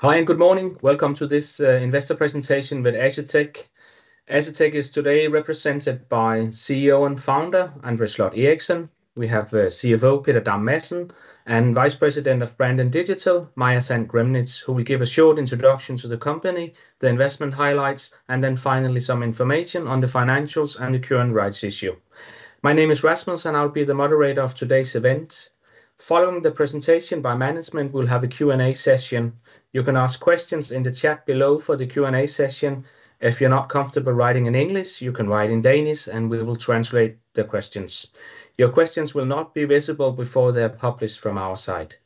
Hi, and good morning. Welcome to this investor presentation with Asetek. Asetek is today represented by CEO and Founder André Sloth Eriksen. We have CFO Peter Madsen and Vice President of Brand and Digital Maja Sand-Grimnitz, who will give a short introduction to the company, the investment highlights, and then finally some information on the financials and the current rights issue. My name is Rasmus, and I'll be the moderator of today's event. Following the presentation by management, we'll have a Q&A session. You can ask questions in the chat below for the Q&A session. If you're not comfortable writing in English, you can write in Danish, and we will translate the questions. Your questions will not be visible before they're published from our side.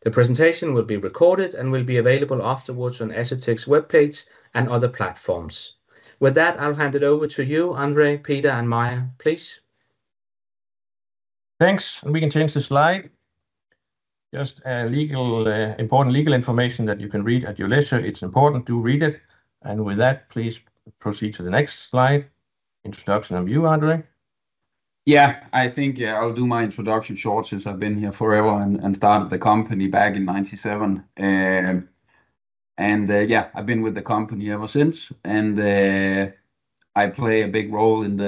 The presentation will be recorded and will be available afterwards on Asetek's web page and other platforms. With that, I'll hand it over to you, André, Peter, and Maja, please. Thanks. We can change the slide. Just important legal information that you can read at your leisure. It's important to read it. And with that, please proceed to the next slide. Introduction of you, André. Yeah, I think I'll do my introduction short since I've been here forever and started the company back in 1997. And yeah, I've been with the company ever since. And I play a big role in,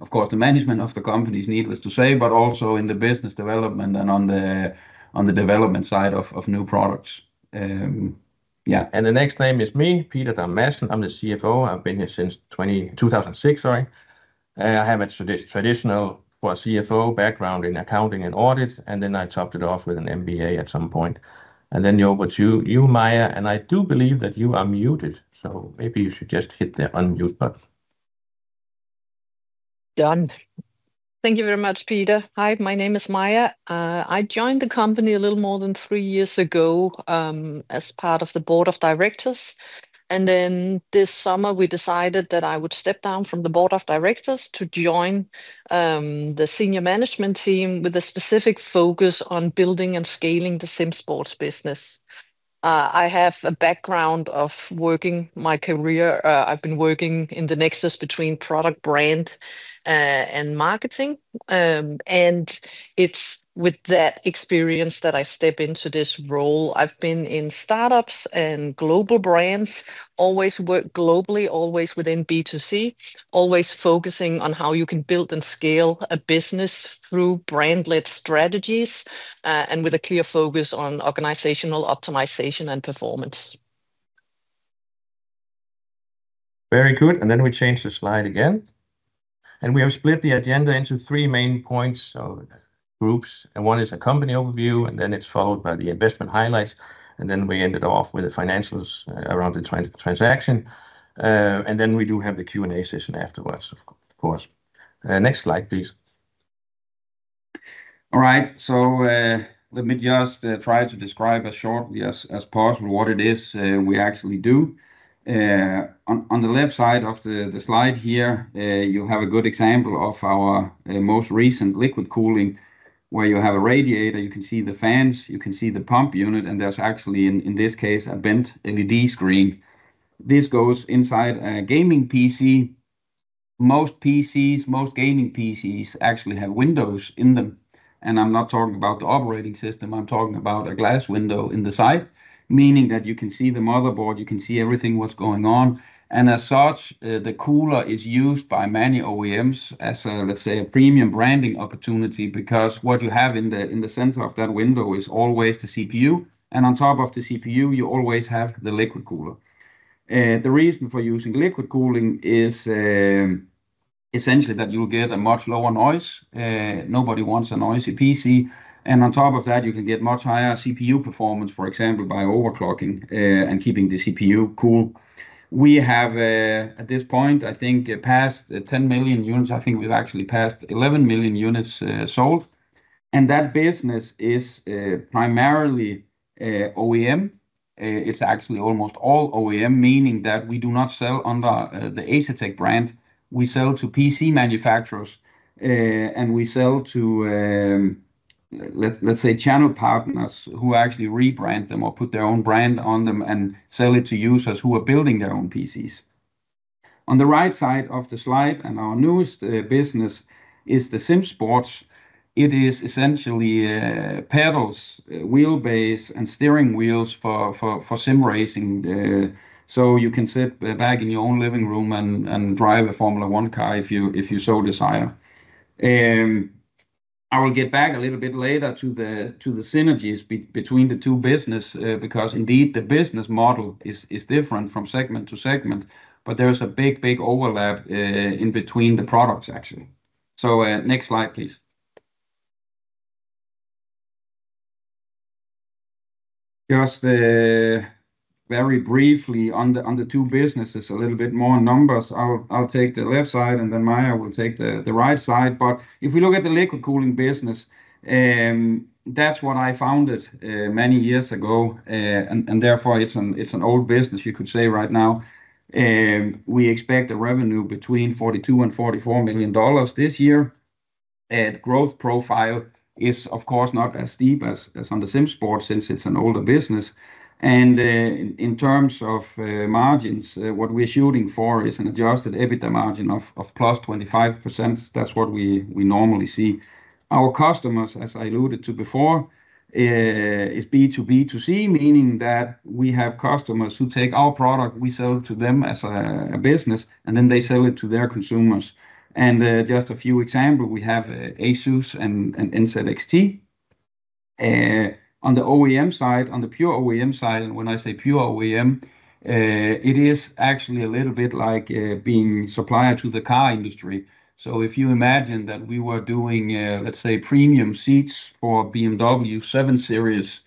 of course, the management of the company, needless to say, but also in the business development and on the development side of new products. Yeah. The next name is me, Peter Madsen. I'm the CFO. I've been here since 2006, sorry. I have a traditional CFO background in accounting and audit, and then I topped it off with an MBA at some point. Then you're over to you, Maja. And I do believe that you are muted, so maybe you should just hit the unmute button. Done. Thank you very much, Peter. Hi, my name is Maja. I joined the company a little more than three years ago as part of the board of directors, and then this summer, we decided that I would step down from the board of directors to join the senior management team with a specific focus on building and scaling the SimSports business. I have a background of working my career. I've been working in the nexus between product brand and marketing, and it's with that experience that I step into this role. I've been in startups and global brands, always worked globally, always within B2C, always focusing on how you can build and scale a business through brand-led strategies and with a clear focus on organizational optimization and performance. Very good. And then we change the slide again. And we have split the agenda into three main points or groups. One is a company overview, and then it's followed by the investment highlights. And then we ended off with the financials around the transaction. And then we do have the Q&A session afterwards, of course. Next slide, please. All right, so let me just try to describe as shortly as possible what it is we actually do. On the left side of the slide here, you have a good example of our most recent liquid cooling where you have a radiator. You can see the fans. You can see the pump unit. And there's actually, in this case, a bent LED screen. This goes inside a gaming PC. Most gaming PCs actually have windows in them. And I'm not talking about the operating system. I'm talking about a glass window in the side, meaning that you can see the motherboard. You can see everything that's going on. And as such, the cooler is used by many OEMs as, let's say, a premium branding opportunity because what you have in the center of that window is always the CPU. On top of the CPU, you always have the liquid cooler. The reason for using liquid cooling is essentially that you'll get a much lower noise. Nobody wants a noisy PC. On top of that, you can get much higher CPU performance, for example, by overclocking and keeping the CPU cool. We have, at this point, I think, past 10 million units. I think we've actually passed 11 million units sold. That business is primarily OEM. It's actually almost all OEM, meaning that we do not sell under the Asetek brand. We sell to PC manufacturers, and we sell to, let's say, channel partners who actually rebrand them or put their own brand on them and sell it to users who are building their own PCs. On the right side of the slide, and our newest business is the SimSports. It is essentially pedals, wheelbase, and steering wheels for sim racing. So you can sit back in your own living room and drive a Formula 1 car if you so desire. I will get back a little bit later to the synergies between the two businesses because, indeed, the business model is different from segment to segment, but there's a big, big overlap in between the products, actually. So next slide, please. Just very briefly on the two businesses, a little bit more numbers. I'll take the left side, and then Maja will take the right side. But if we look at the liquid cooling business, that's what I founded many years ago. And therefore, it's an old business, you could say, right now. We expect a revenue between $42 million-$44 million this year. Growth profile is, of course, not as steep as on the SimSports since it's an older business. In terms of margins, what we're shooting for is an Adjusted EBITDA margin of plus 25%. That's what we normally see. Our customers, as I alluded to before, is B2B2C, meaning that we have customers who take our product. We sell it to them as a business, and then they sell it to their consumers. Just a few examples, we have Asus and NZXT. On the OEM side, on the pure OEM side, when I say pure OEM, it is actually a little bit like being a supplier to the car industry. So if you imagine that we were doing, let's say, premium seats for BMW 7 Series,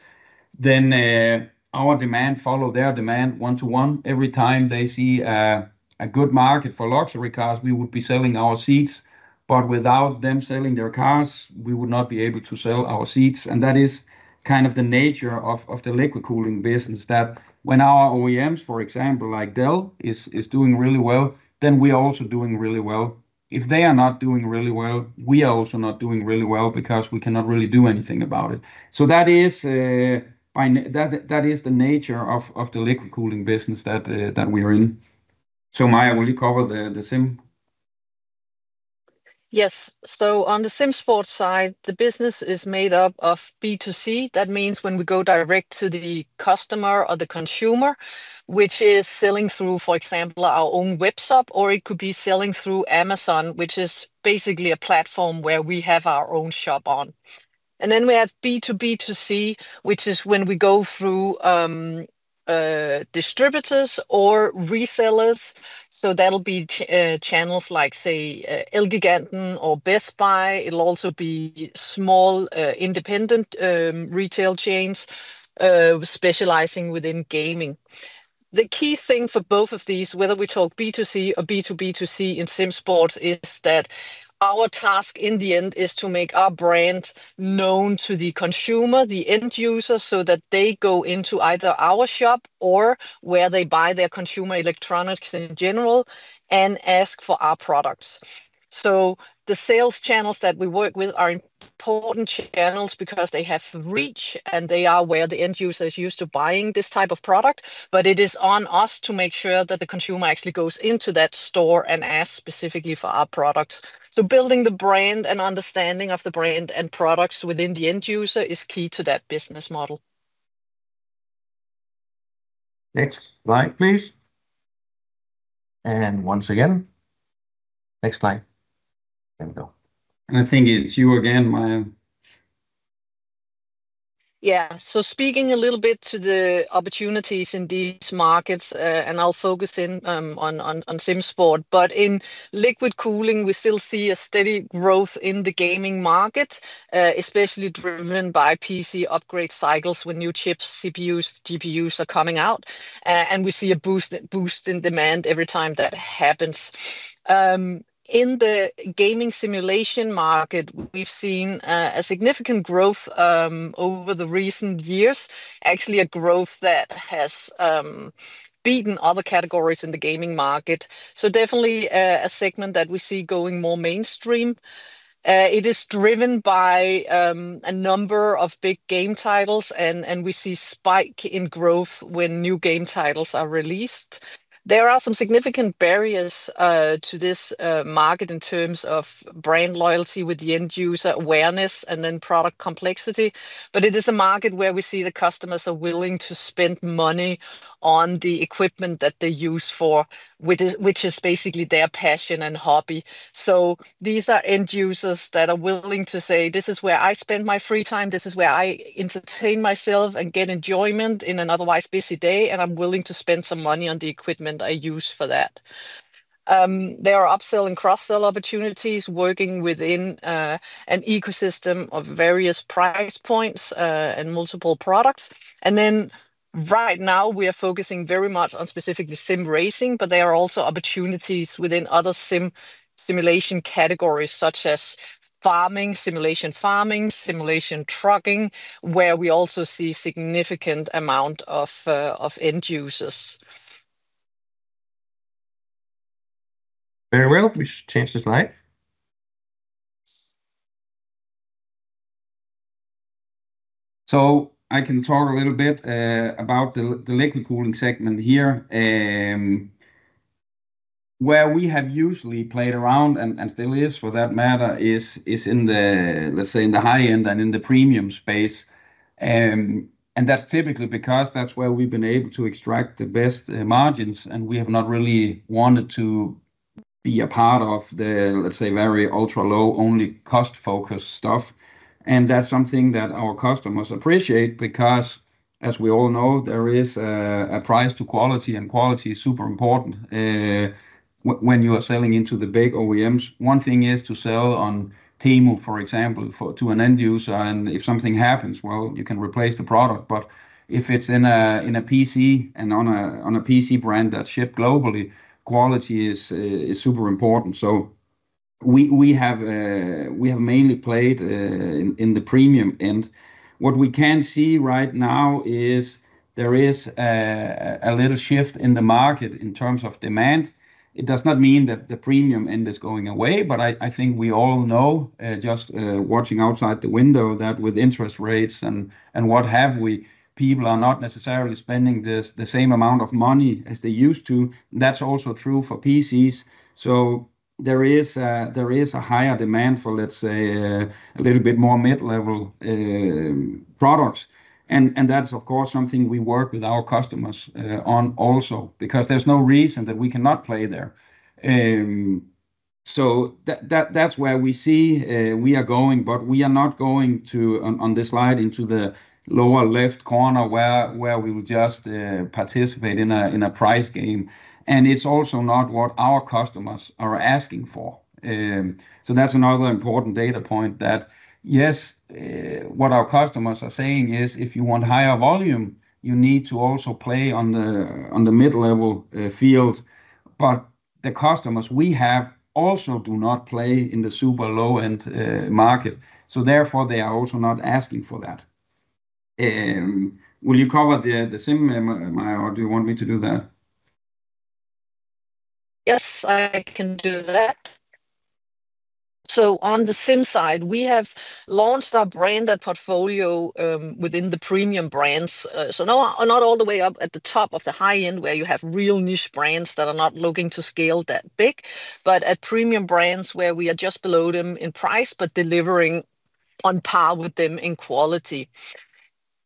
then our demand follows their demand one-to-one. Every time they see a good market for luxury cars, we would be selling our seats. But without them selling their cars, we would not be able to sell our seats. And that is kind of the nature of the liquid cooling business, that when our OEMs, for example, like Dell, are doing really well, then we are also doing really well. If they are not doing really well, we are also not doing really well because we cannot really do anything about it. So that is the nature of the liquid cooling business that we are in. So Maja, will you cover the sim? Yes. So on the SimSports side, the business is made up of B2C. That means when we go direct to the customer or the consumer, which is selling through, for example, our own webshop, or it could be selling through Amazon, which is basically a platform where we have our own shop on. And then we have B2B2C, which is when we go through distributors or resellers. So that'll be channels like, say, Elgiganten or Best Buy. It'll also be small independent retail chains specializing within gaming. The key thing for both of these, whether we talk B2C or B2B2C in SimSports, is that our task in the end is to make our brand known to the consumer, the end user, so that they go into either our shop or where they buy their consumer electronics in general and ask for our products. So the sales channels that we work with are important channels because they have reach, and they are where the end user is used to buying this type of product. But it is on us to make sure that the consumer actually goes into that store and asks specifically for our products. So building the brand and understanding of the brand and products within the end user is key to that business model. Next slide, please. And once again, next slide. There we go. I think it's you again, Maja. Yeah, so speaking a little bit to the opportunities in these markets, and I'll focus in on SimSports, but in liquid cooling, we still see a steady growth in the gaming market, especially driven by PC upgrade cycles when new chips, CPUs, GPUs are coming out, and we see a boost in demand every time that happens. In the gaming simulation market, we've seen a significant growth over the recent years, actually a growth that has beaten other categories in the gaming market, so definitely a segment that we see going more mainstream. It is driven by a number of big game titles, and we see a spike in growth when new game titles are released. There are some significant barriers to this market in terms of brand loyalty with the end user awareness and then product complexity. It is a market where we see the customers are willing to spend money on the equipment that they use for, which is basically their passion and hobby. These are end users that are willing to say, "This is where I spend my free time. This is where I entertain myself and get enjoyment in an otherwise busy day. And I'm willing to spend some money on the equipment I use for that." There are upsell and cross-sell opportunities working within an ecosystem of various price points and multiple products. Then right now, we are focusing very much on specifically sim racing, but there are also opportunities within other sim simulation categories such as farming, simulation farming, simulation trucking, where we also see a significant amount of end users. Very well. Please change the slide. I can talk a little bit about the liquid cooling segment here. Where we have usually played around and still is, for that matter, is in the, let's say, in the high-end and in the premium space. That's typically because that's where we've been able to extract the best margins. We have not really wanted to be a part of the, let's say, very ultra-low-only cost-focused stuff. That's something that our customers appreciate because, as we all know, there is a price to quality, and quality is super important when you are selling into the big OEMs. One thing is to sell on Temu, for example, to an end user, and if something happens, well, you can replace the product. But if it's in a PC and on a PC brand that's shipped globally, quality is super important. So we have mainly played in the premium end. What we can see right now is there is a little shift in the market in terms of demand. It does not mean that the premium end is going away, but I think we all know, just watching outside the window, that with interest rates and what have you, people are not necessarily spending the same amount of money as they used to. That's also true for PCs. So there is a higher demand for, let's say, a little bit more mid-level products. And that's, of course, something we work with our customers on also because there's no reason that we cannot play there. So that's where we see we are going. But we are not going to, on this slide, into the lower left corner where we will just participate in a price game. And it's also not what our customers are asking for. So that's another important data point that, yes, what our customers are saying is, "If you want higher volume, you need to also play on the mid-level field." But the customers we have also do not play in the super low-end market. So therefore, they are also not asking for that. Will you cover the sim, Maja, or do you want me to do that? Yes, I can do that. So on the Sim side, we have launched our branded portfolio within the premium brands. So not all the way up at the top of the high-end where you have real niche brands that are not looking to scale that big, but at premium brands where we are just below them in price but delivering on par with them in quality.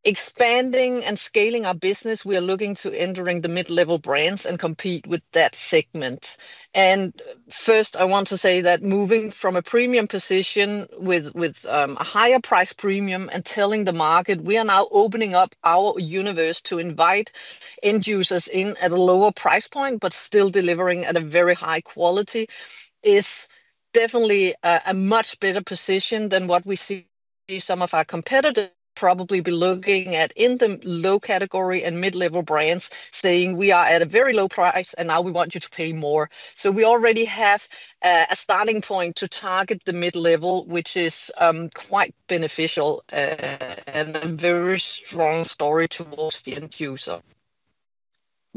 Expanding and scaling our business, we are looking to enter the mid-level brands and compete with that segment. First, I want to say that moving from a premium position with a higher price premium and telling the market we are now opening up our universe to invite end users in at a lower price point but still delivering at a very high quality is definitely a much better position than what we see some of our competitors probably be looking at in the low category and mid-level brands saying, "We are at a very low price, and now we want you to pay more." We already have a starting point to target the mid-level, which is quite beneficial and a very strong story towards the end user.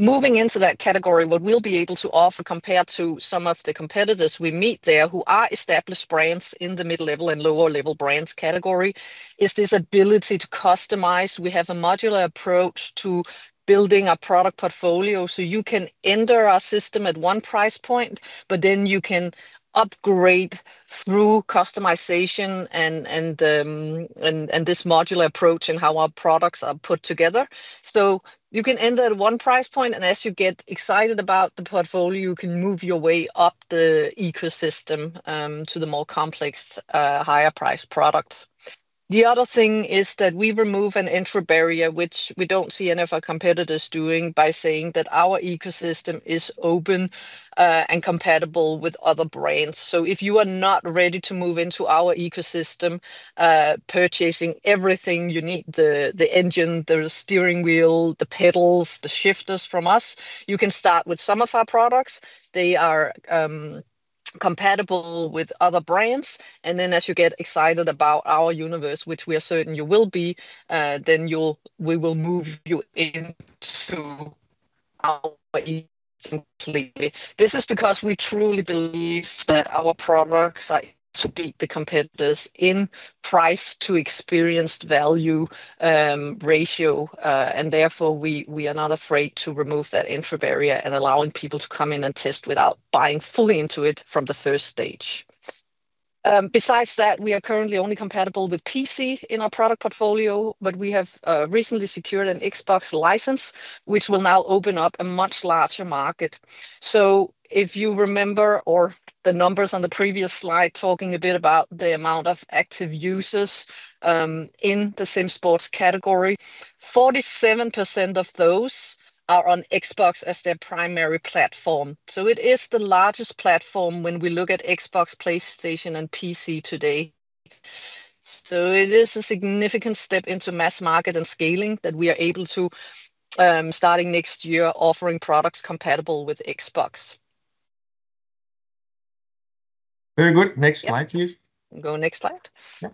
Moving into that category, what we'll be able to offer compared to some of the competitors we meet there who are established brands in the mid-level and lower-level brands category is this ability to customize. We have a modular approach to building our product portfolio. So you can enter our system at one price point, but then you can upgrade through customization and this modular approach and how our products are put together. So you can enter at one price point, and as you get excited about the portfolio, you can move your way up the ecosystem to the more complex, higher-priced products. The other thing is that we remove an entry barrier, which we don't see any of our competitors doing, by saying that our ecosystem is open and compatible with other brands. So if you are not ready to move into our ecosystem purchasing everything you need: the engine, the steering wheel, the pedals, the shifters from us, you can start with some of our products. They are compatible with other brands. Then as you get excited about our universe, which we are certain you will be, then we will move you into our ecosystem completely. This is because we truly believe that our products are to beat the competitors in price to experienced value ratio. Therefore, we are not afraid to remove that intra-barrier and allowing people to come in and test without buying fully into it from the first stage. Besides that, we are currently only compatible with PC in our product portfolio, but we have recently secured an Xbox license, which will now open up a much larger market. If you remember the numbers on the previous slide talking a bit about the amount of active users in the SimSports category, 47% of those are on Xbox as their primary platform. So it is the largest platform when we look at Xbox, PlayStation, and PC today. So it is a significant step into mass market and scaling that we are able to, starting next year, offer products compatible with Xbox. Very good. Next slide, please. Go next slide. Yeah.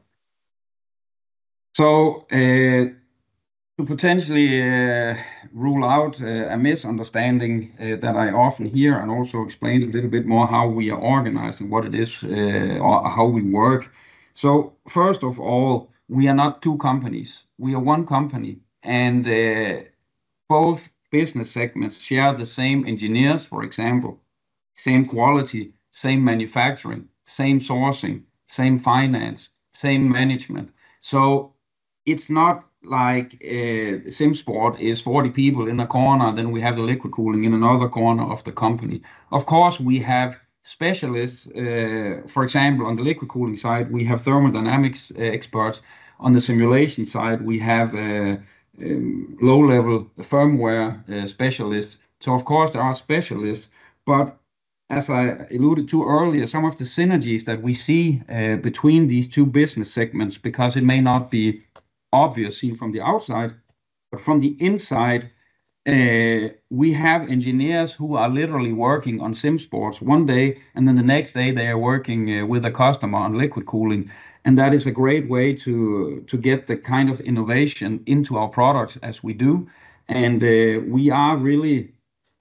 So to potentially rule out a misunderstanding that I often hear and also explain a little bit more how we are organized and what it is or how we work. So first of all, we are not two companies. We are one company. And both business segments share the same engineers, for example, same quality, same manufacturing, same sourcing, same finance, same management. So it's not like SimSports is 40 people in a corner, then we have the liquid cooling in another corner of the company. Of course, we have specialists. For example, on the liquid cooling side, we have thermodynamics experts. On the simulation side, we have low-level firmware specialists. So of course, there are specialists. But as I alluded to earlier, some of the synergies that we see between these two business segments, because it may not be obvious seen from the outside, but from the inside, we have engineers who are literally working on SimSports one day, and then the next day, they are working with a customer on liquid cooling. And that is a great way to get the kind of innovation into our products as we do. And we are really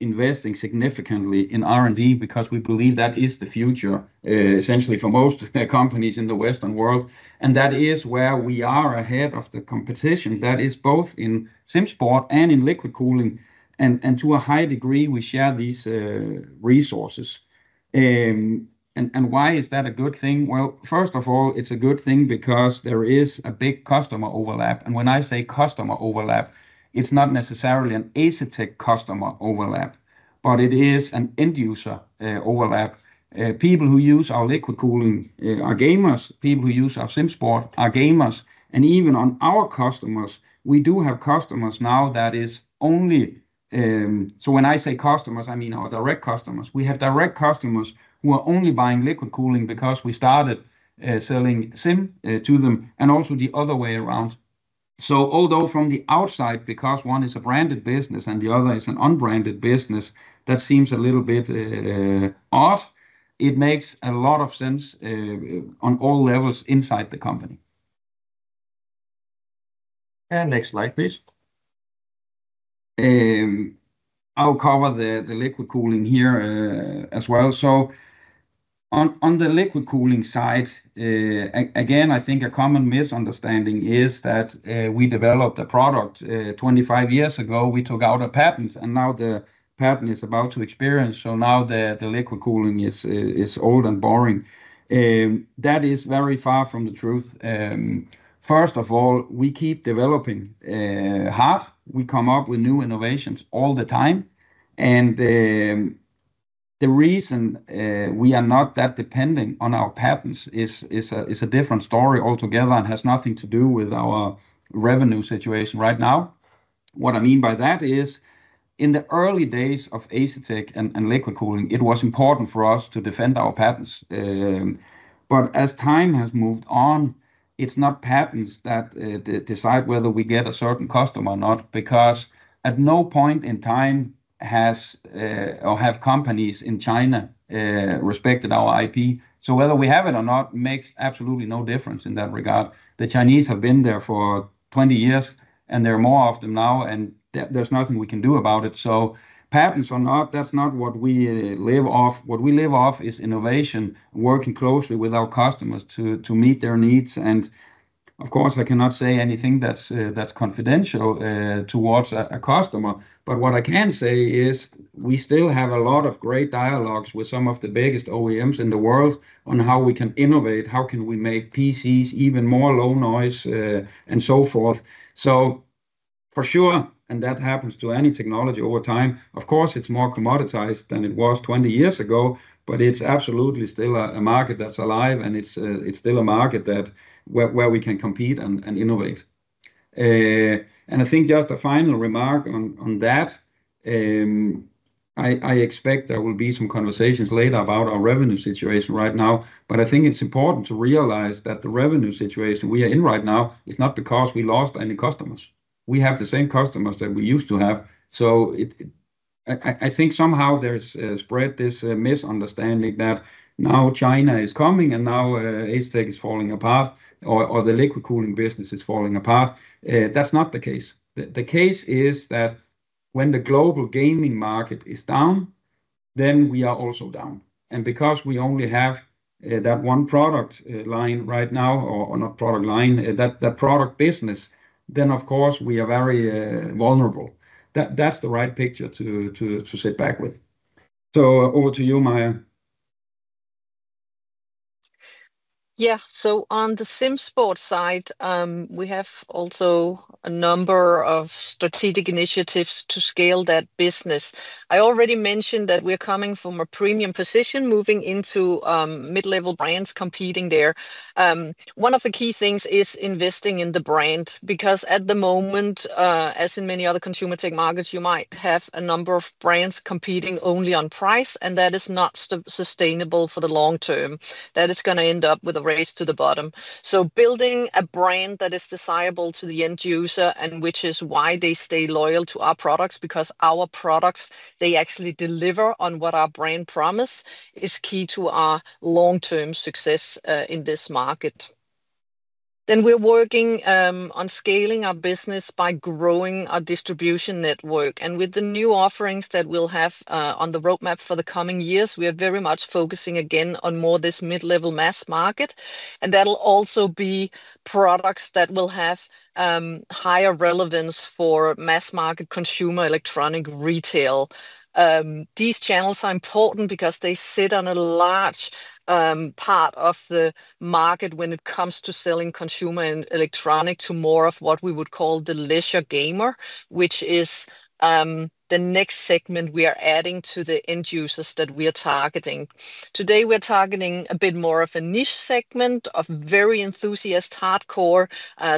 investing significantly in R&D because we believe that is the future, essentially, for most companies in the Western world. And that is where we are ahead of the competition. That is both in SimSports and in liquid cooling. And to a high degree, we share these resources. And why is that a good thing? Well, first of all, it's a good thing because there is a big customer overlap. When I say customer overlap, it's not necessarily an Asetek customer overlap, but it is an end user overlap. People who use our liquid cooling are gamers. People who use our SimSports are gamers. And even on our customers, we do have customers now that is only, so when I say customers, I mean our direct customers. We have direct customers who are only buying liquid cooling because we started selling sim to them and also the other way around. So although from the outside, because one is a branded business and the other is an unbranded business, that seems a little bit odd, it makes a lot of sense on all levels inside the company. Yeah. Next slide, please. I'll cover the liquid cooling here as well. So on the liquid cooling side, again, I think a common misunderstanding is that we developed a product 25 years ago. We took out a patent, and now the patent is about to expire. So now the liquid cooling is old and boring. That is very far from the truth. First of all, we keep developing hard. We come up with new innovations all the time. And the reason we are not that dependent on our patents is a different story altogether and has nothing to do with our revenue situation right now. What I mean by that is in the early days of Asetek and liquid cooling, it was important for us to defend our patents. But as time has moved on, it's not patents that decide whether we get a certain customer or not because at no point in time have companies in China respected our IP. So whether we have it or not makes absolutely no difference in that regard. The Chinese have been there for 20 years, and they're more of them now, and there's nothing we can do about it. So patents or not, that's not what we live off. What we live off is innovation, working closely with our customers to meet their needs. And of course, I cannot say anything that's confidential towards a customer. But what I can say is we still have a lot of great dialogues with some of the biggest OEMs in the world on how we can innovate. How can we make PCs even more low noise and so forth? So for sure, and that happens to any technology over time, of course. It's more commoditized than it was 20 years ago, but it's absolutely still a market that's alive, and it's still a market where we can compete and innovate. I think just a final remark on that. I expect there will be some conversations later about our revenue situation right now. But I think it's important to realize that the revenue situation we are in right now is not because we lost any customers. We have the same customers that we used to have. I think somehow there's spread this misunderstanding that now China is coming and now Asetek is falling apart or the liquid cooling business is falling apart. That's not the case. The case is that when the global gaming market is down, then we are also down. And because we only have that one product line right now or not product line, that product business, then of course, we are very vulnerable. That's the right picture to sit back with. So over to you, Maja. Yeah. So on the SimSports side, we have also a number of strategic initiatives to scale that business. I already mentioned that we're coming from a premium position moving into mid-level brands competing there. One of the key things is investing in the brand because at the moment, as in many other consumer tech markets, you might have a number of brands competing only on price, and that is not sustainable for the long term. That is going to end up with a race to the bottom. So building a brand that is desirable to the end user and which is why they stay loyal to our products because our products, they actually deliver on what our brand promise is key to our long-term success in this market. Then we're working on scaling our business by growing our distribution network. With the new offerings that we'll have on the roadmap for the coming years, we are very much focusing again on more this mid-level mass market. That'll also be products that will have higher relevance for mass market consumer electronics retail. These channels are important because they sit on a large part of the market when it comes to selling consumer electronics to more of what we would call the leisure gamer, which is the next segment we are adding to the end users that we are targeting. Today, we're targeting a bit more of a niche segment of very enthusiastic, hardcore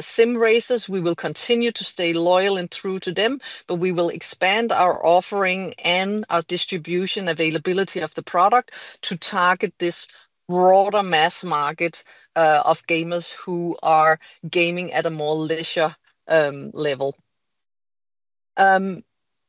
sim racers. We will continue to stay loyal and true to them, but we will expand our offering and our distribution availability of the product to target this broader mass market of gamers who are gaming at a more leisure level.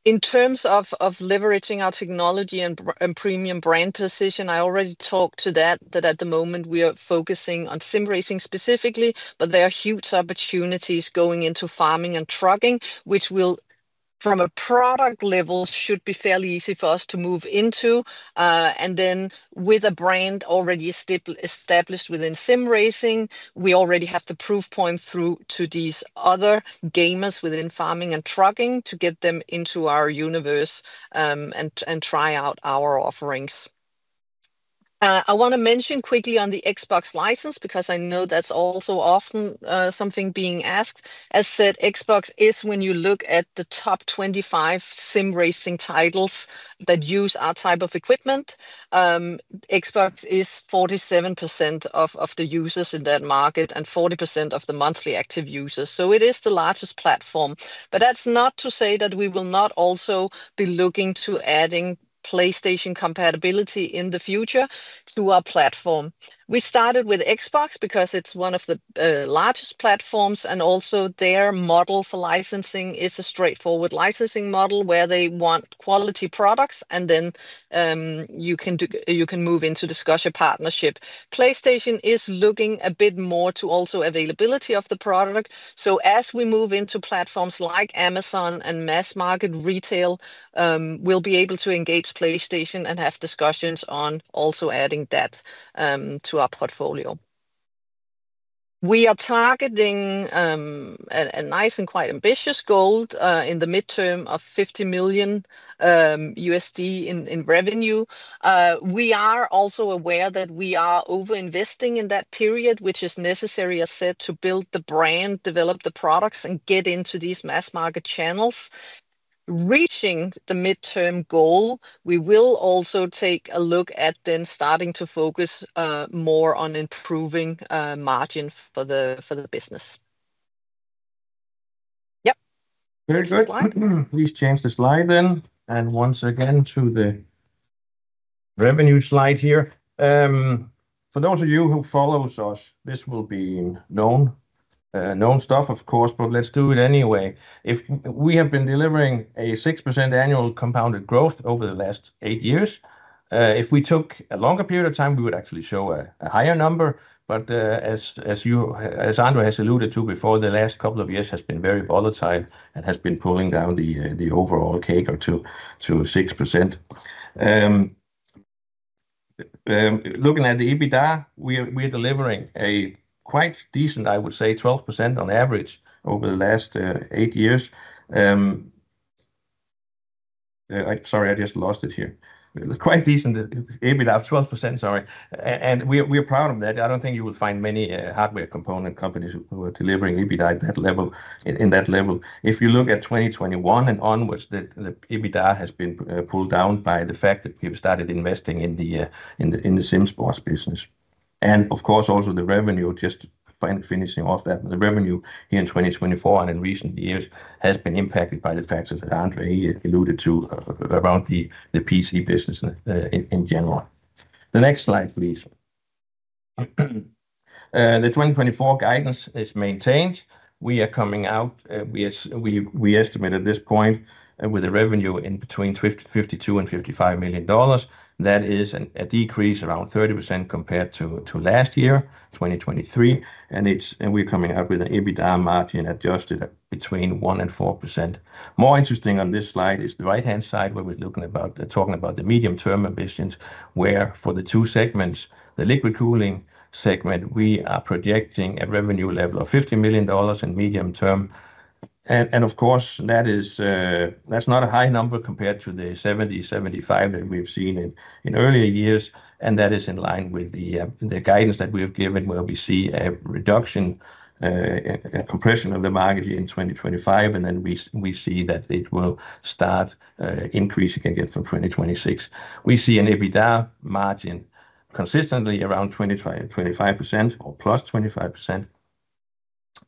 In terms of leveraging our technology and premium brand position, I already talked to that, that at the moment, we are focusing on sim racing specifically, but there are huge opportunities going into farming and trucking, which from a product level should be fairly easy for us to move into, and then with a brand already established within sim racing, we already have the proof point through to these other gamers within farming and trucking to get them into our universe and try out our offerings. I want to mention quickly on the Xbox license because I know that's also often something being asked. As said, Xbox is when you look at the top 25 sim racing titles that use our type of equipment. Xbox is 47% of the users in that market and 40% of the monthly active users. So it is the largest platform. But that's not to say that we will not also be looking to adding PlayStation compatibility in the future to our platform. We started with Xbox because it's one of the largest platforms, and also their model for licensing is a straightforward licensing model where they want quality products, and then you can move into discussion partnership. PlayStation is looking a bit more to also availability of the product. So as we move into platforms like Amazon and mass market retail, we'll be able to engage PlayStation and have discussions on also adding that to our portfolio. We are targeting a nice and quite ambitious goal in the midterm of $50 million in revenue. We are also aware that we are overinvesting in that period, which is necessary, as said, to build the brand, develop the products, and get into these mass market channels. Reaching the midterm goal, we will also take a look at then starting to focus more on improving margin for the business. Yep. Very good. Please change the slide then. And once again, to the revenue slide here. For those of you who follow us, this will be known stuff, of course, but let's do it anyway. If we have been delivering a 6% annual compounded growth over the last eight years, if we took a longer period of time, we would actually show a higher number. But as André has alluded to before, the last couple of years has been very volatile and has been pulling down the overall CAGR to 6%. Looking at the EBITDA, we are delivering a quite decent, I would say, 12% on average over the last eight years. Sorry, I just lost it here. Quite decent EBITDA of 12%, sorry. And we're proud of that. I don't think you will find many hardware component companies who are delivering EBITDA at that level. In that level, if you look at 2021 and onwards, the EBITDA has been pulled down by the fact that we've started investing in the SimSports business. And of course, also the revenue, just finishing off that, the revenue here in 2024 and in recent years has been impacted by the factors that André Eriksen alluded to around the PC business in general. The next slide, please. The 2024 guidance is maintained. We are coming out, we estimate at this point, with a revenue between $52 and $55 million. That is a decrease around 30% compared to last year, 2023. And we're coming out with an adjusted EBITDA margin between 1% and 4%. More interesting on this slide is the right-hand side where we're talking about the medium-term ambitions, where for the two segments, the liquid cooling segment, we are projecting a revenue level of $50 million in medium term. And of course, that's not a high number compared to the $70-$75 that we've seen in earlier years. And that is in line with the guidance that we have given where we see a reduction, a compression of the market here in 2025. And then we see that it will start increasing again from 2026. We see an EBITDA margin consistently around 25% or plus 25%.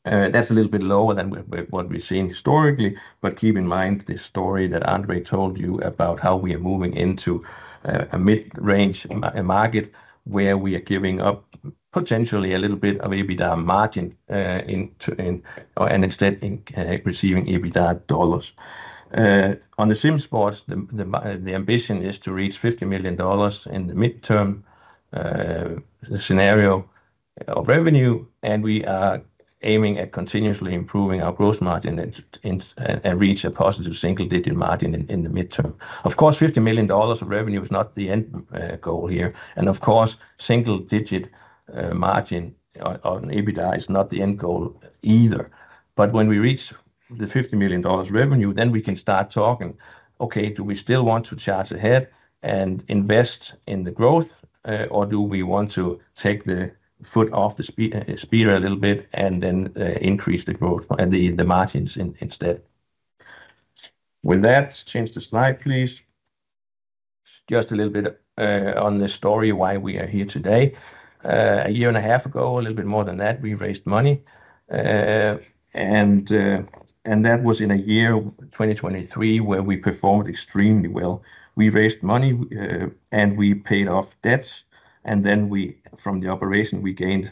That's a little bit lower than what we've seen historically. But keep in mind the story that André told you about how we are moving into a mid-range market where we are giving up potentially a little bit of EBITDA margin and instead receiving EBITDA dollars. On the SimSports, the ambition is to reach $50 million in the midterm scenario of revenue. And we are aiming at continuously improving our gross margin and reach a positive single-digit margin in the midterm. Of course, $50 million of revenue is not the end goal here. And of course, single-digit margin on EBITDA is not the end goal either. But when we reach the $50 million revenue, then we can start talking, okay, do we still want to charge ahead and invest in the growth, or do we want to take the foot off the speeder a little bit and then increase the growth and the margins instead? With that, change the slide, please. Just a little bit on the story why we are here today. A year and a half ago, a little bit more than that, we raised money. That was in a year, 2023, where we performed extremely well. We raised money and we paid off debts. Then from the operation, we gained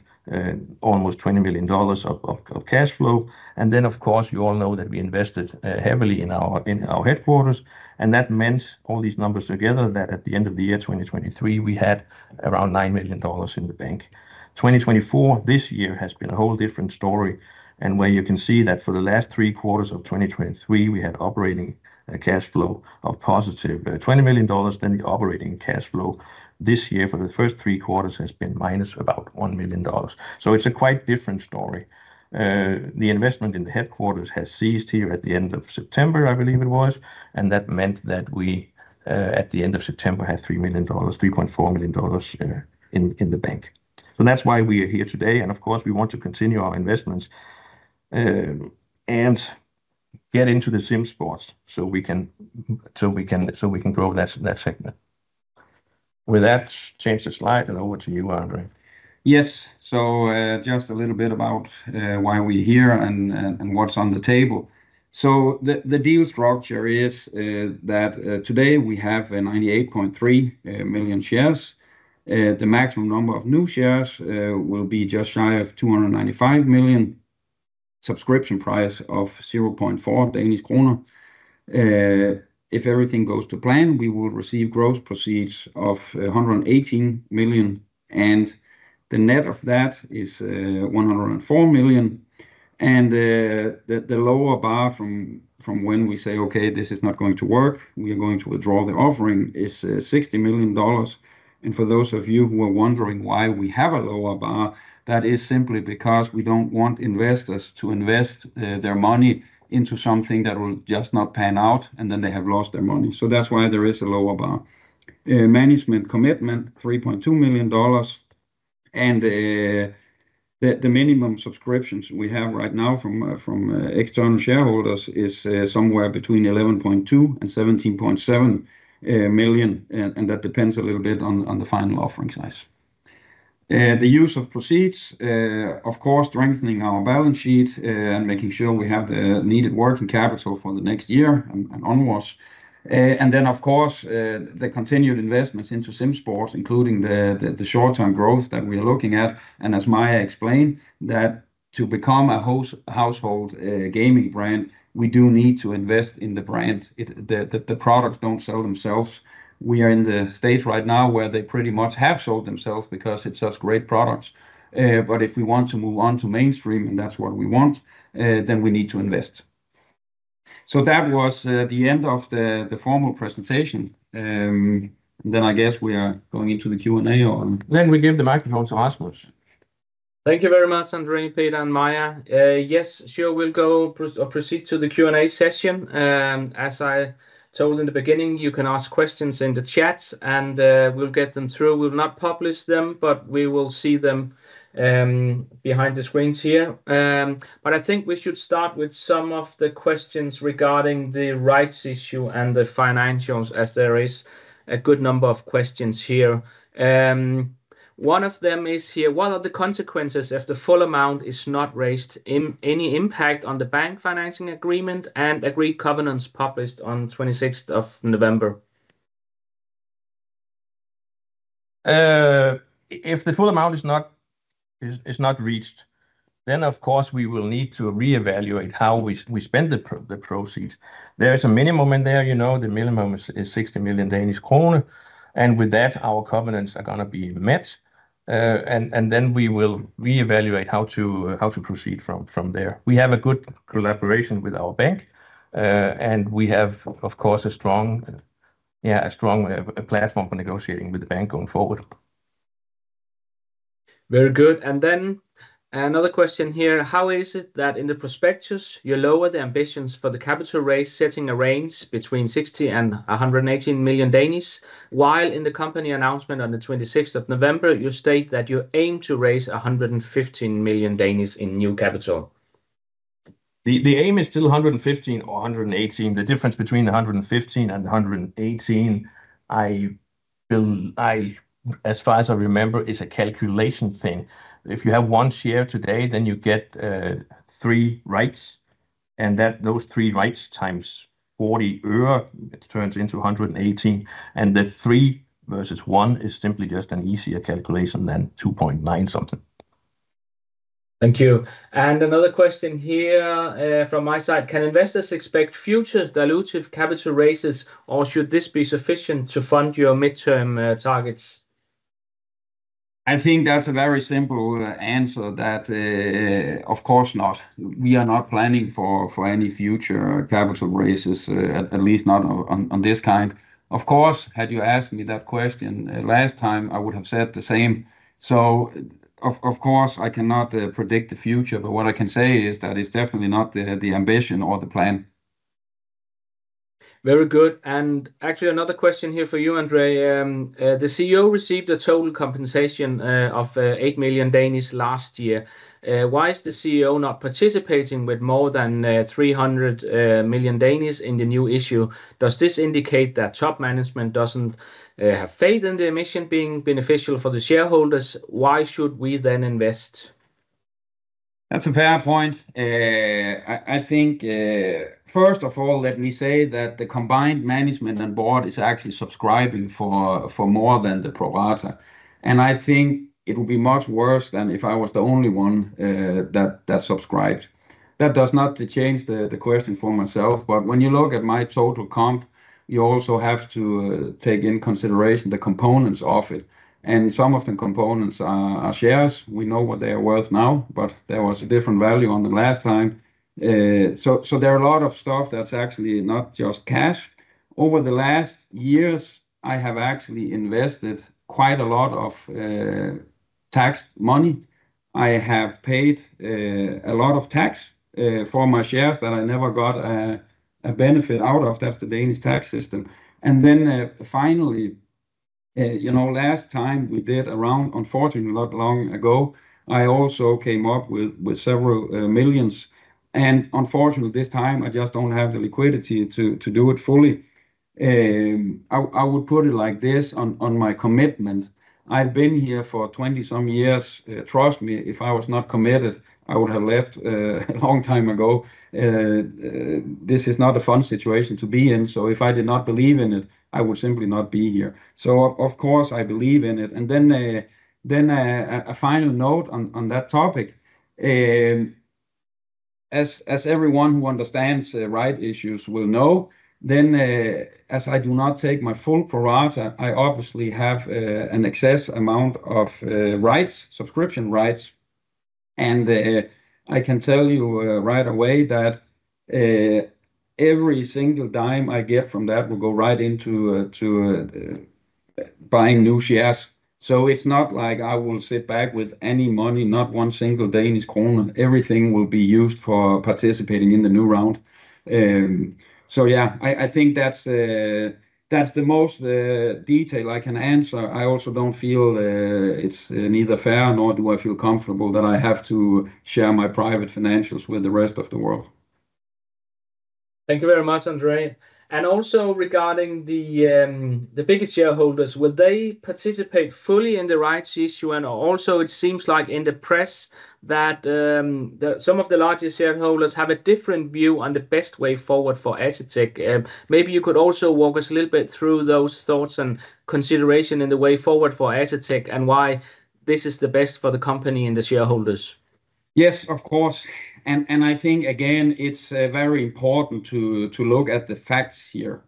almost $20 million of cash flow. Then, of course, you all know that we invested heavily in our headquarters. That meant all these numbers together that at the end of the year, 2023, we had around $9 million in the bank. 2024, this year has been a whole different story. Where you can see that for the last three quarters of 2023, we had operating cash flow of positive $20 million. Then the operating cash flow this year for the first three quarters has been minus about $1 million. It's a quite different story. The investment in the headquarters has ceased here at the end of September, I believe it was. That meant that we at the end of September had $3 million, $3.4 million in the bank. That's why we are here today. We want to continue our investments and get into the SimSports so we can grow that segment. With that, change the slide and over to you, André. Yes. Just a little bit about why we're here and what's on the table. The deal structure is that today we have 98.3 million shares. The maximum number of new shares will be just shy of 295 million. Subscription price of 0.4 Danish kroner. If everything goes to plan, we will receive gross proceeds of 118 million. The net of that is 104 million. The lower bar from when we say, okay, this is not going to work, we are going to withdraw the offering is $60 million. For those of you who are wondering why we have a lower bar, that is simply because we don't want investors to invest their money into something that will just not pan out and then they have lost their money. So that's why there is a lower bar. Management commitment, $3.2 million. The minimum subscriptions we have right now from external shareholders is somewhere between 11.2-17.7 million. That depends a little bit on the final offering size. The use of proceeds, of course, strengthening our balance sheet and making sure we have the needed working capital for the next year and onwards. Then, of course, the continued investments into SimSports, including the short-term growth that we are looking at. As Maja explained, to become a household gaming brand, we do need to invest in the brand. The products don't sell themselves. We are in the stage right now where they pretty much have sold themselves because it's such great products, but if we want to move on to mainstream, and that's what we want, then we need to invest, so that was the end of the formal presentation, then I guess we are going into the Q&A, or then we give the microphone to Rasmus. Thank you very much, André, Peter, and Maja. Yes, sure, we'll go proceed to the Q&A session. As I told in the beginning, you can ask questions in the chat, and we'll get them through. We'll not publish them, but we will see them behind the screens here, but I think we should start with some of the questions regarding the rights issue and the financials, as there is a good number of questions here. One of them is here, what are the consequences if the full amount is not raised? Any impact on the bank financing agreement and agreed covenants published on 26th of November? If the full amount is not reached, then of course, we will need to reevaluate how we spend the proceeds. There is a minimum in there. The minimum is 60 million Danish kroner, and with that, our covenants are going to be met, and then we will reevaluate how to proceed from there. We have a good collaboration with our bank, and we have, of course, a strong platform for negotiating with the bank going forward. Very good, and then another question her e.How is it that in the prospectus, you lower the ambitions for the capital raise, setting a range between 60 and 118 million DKK, while in the company announcement on the 26th of November, you state that you aim to raise 115 million in new capital? The aim is still 115 or 118. The difference between 115 and 118, as far as I remember, is a calculation thing. If you have one share today, then you get three rights. And those three rights times 40 euro, it turns into 118. And the three versus one is simply just an easier calculation than 2.9 something. Thank you. And another question here from my side. Can investors expect future dilutive capital raises, or should this be sufficient to fund your midterm targets? I think that's a very simple answer that, of course, not. We are not planning for any future capital raises, at least not on this kind. Of course, had you asked me that question last time, I would have said the same. So, of course, I cannot predict the future, but what I can say is that it's definitely not the ambition or the plan. Very good. And actually, another question here for you, André. The CEO received a total compensation of 8 million last year. Why is the CEO not participating with more than 300 million in the new issue? Does this indicate that top management doesn't have faith in the mission being beneficial for the shareholders? Why should we then invest? That's a fair point. I think, first of all, let me say that the combined management and board is actually subscribing for more than the pro rata. I think it would be much worse than if I was the only one that subscribed. That does not change the question for myself. When you look at my total comp, you also have to take into consideration the components of it. Some of the components are shares. We know what they are worth now, but there was a different value on the last time. There are a lot of stuff that's actually not just cash. Over the last years, I have actually invested quite a lot of tax money. I have paid a lot of tax for my shares that I never got a benefit out of. That's the Danish tax system. Then finally, last time we did a round, unfortunately, not long ago, I also came up with several millions. Unfortunately, this time, I just don't have the liquidity to do it fully. I would put it like this on my commitment. I've been here for 20 some years. Trust me, if I was not committed, I would have left a long time ago. This is not a fun situation to be in. So if I did not believe in it, I would simply not be here. So of course, I believe in it. And then a final note on that topic. As everyone who understands rights issues will know, then as I do not take my full pro rata, I obviously have an excess amount of rights, subscription rights. And I can tell you right away that every single dime I get from that will go right into buying new shares. So it's not like I will sit back with any money, not one single Danish kroner. Everything will be used for participating in the new round. So yeah, I think that's the most detail I can answer. I also don't feel it's neither fair nor do I feel comfortable that I have to share my private financials with the rest of the world. Thank you very much, André. And also regarding the biggest shareholders, will they participate fully in the rights issue? And also it seems like in the press that some of the largest shareholders have a different view on the best way forward for Asetek. Maybe you could also walk us a little bit through those thoughts and considerations in the way forward for Asetek and why this is the bestfor the company and the shareholders. Yes, of course. And I think, again, it's very important to look at the facts here.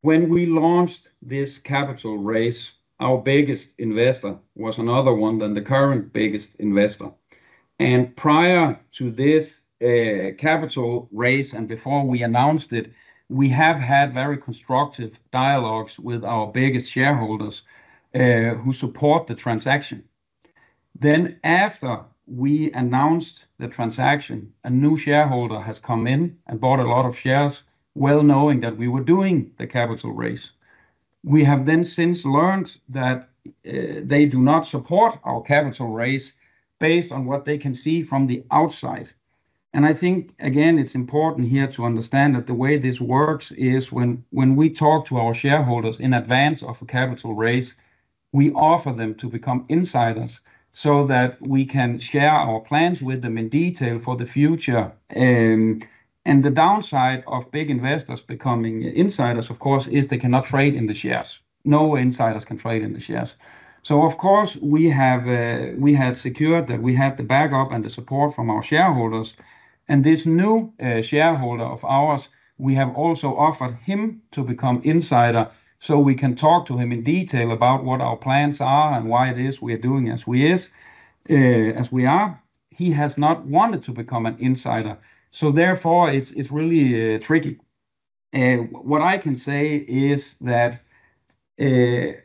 When we launched this capital raise, our biggest investor was another one than the current biggest investor. Prior to this capital raise and before we announced it, we have had very constructive dialogues with our biggest shareholders who support the transaction. After we announced the transaction, a new shareholder has come in and bought a lot of shares, well knowing that we were doing the capital raise. We have then since learned that they do not support our capital raise based on what they can see from the outside. I think, again, it's important here to understand that the way this works is when we talk to our shareholders in advance of a capital raise, we offer them to become insiders so that we can share our plans with them in detail for the future. The downside of big investors becoming insiders, of course, is they cannot trade in the shares. No insiders can trade in the shares. Of course, we had secured that we had the backup and the support from our shareholders. And this new shareholder of ours, we have also offered him to become insider so we can talk to him in detail about what our plans are and why it is we are doing as we are. He has not wanted to become an insider. So therefore, it's really tricky. What I can say is that the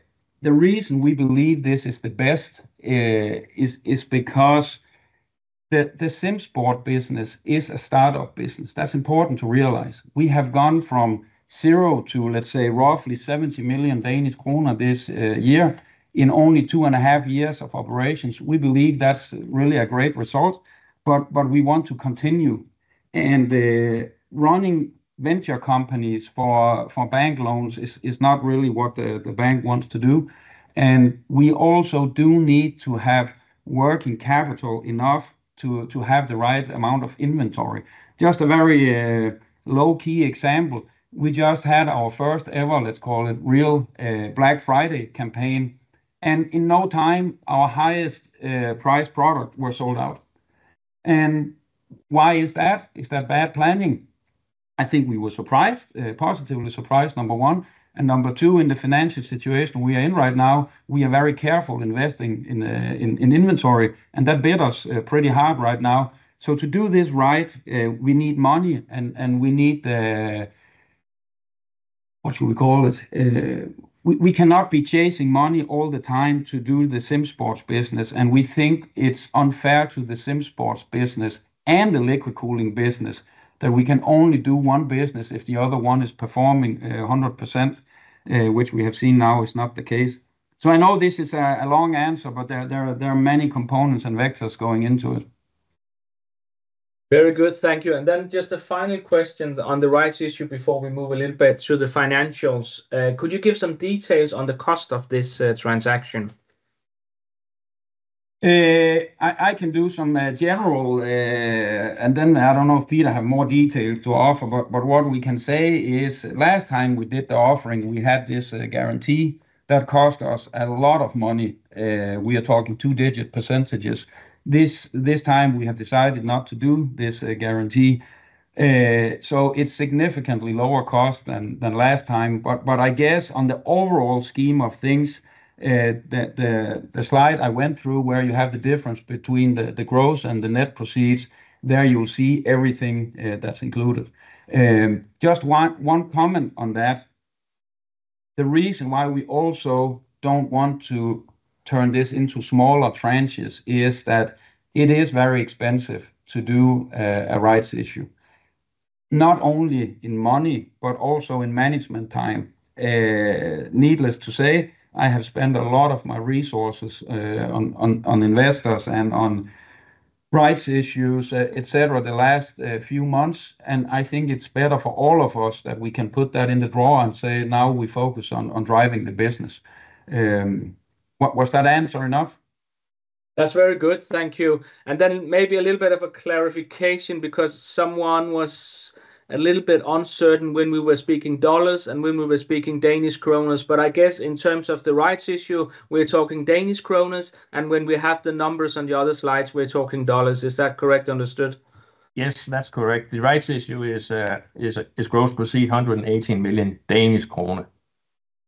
reason we believe this is the best is because the SimSports business is a startup business. That's important to realize. We have gone from zero to, let's say, roughly 70 million Danish kroner this year in only two and a half years of operations. We believe that's really a great result. But we want to continue. And running venture companies for bank loans is not really what the bank wants to do. We also do need to have working capital enough to have the right amount of inventory. Just a very low-key example. We just had our first ever, let's call it, real Black Friday campaign. And in no time, our highest-priced product was sold out. And why is that? Is that bad planning? I think we were surprised, positively surprised, number one. And number two, in the financial situation we are in right now, we are very careful investing in inventory. And that bit us pretty hard right now. So to do this right, we need money. And we need, what should we call it? We cannot be chasing money all the time to do the SimSports business. We think it's unfair to the SimSports business and the liquid cooling business that we can only do one business if the other one is performing 100%, which we have seen now is not the case. I know this is a long answer, but there are many components and vectors going into it. Very good. Thank you. Just a final question on the rights issue before we move a little bit to the financials. Could you give some details on the cost of this transaction? I can do some general. I don't know if Peter has more details to offer. What we can say is last time we did the offering, we had this guarantee that cost us a lot of money. We are talking two-digit percentages. This time, we have decided not to do this guarantee. So it's significantly lower cost than last time. But I guess on the overall scheme of things, the slide I went through where you have the difference between the gross and the net proceeds, there you'll see everything that's included. Just one comment on that. The reason why we also don't want to turn this into smaller tranches is that it is very expensive to do a rights issue. Not only in money, but also in management time. Needless to say, I have spent a lot of my resources on investors and on rights issues, etc., the last few months. And I think it's better for all of us that we can put that in the drawer and say, "Now we focus on driving the business." Was that answer enough? That's very good. Thank you. Then maybe a little bit of a clarification because someone was a little bit uncertain when we were speaking dollars and when we were speaking Danish kroner. But I guess in terms of the rights issue, we're talking Danish kroner. And when we have the numbers on the other slides, we're talking dollars. Is that correct, understood? Yes, that's correct. The rights issue is gross proceeds 118 million Danish krone.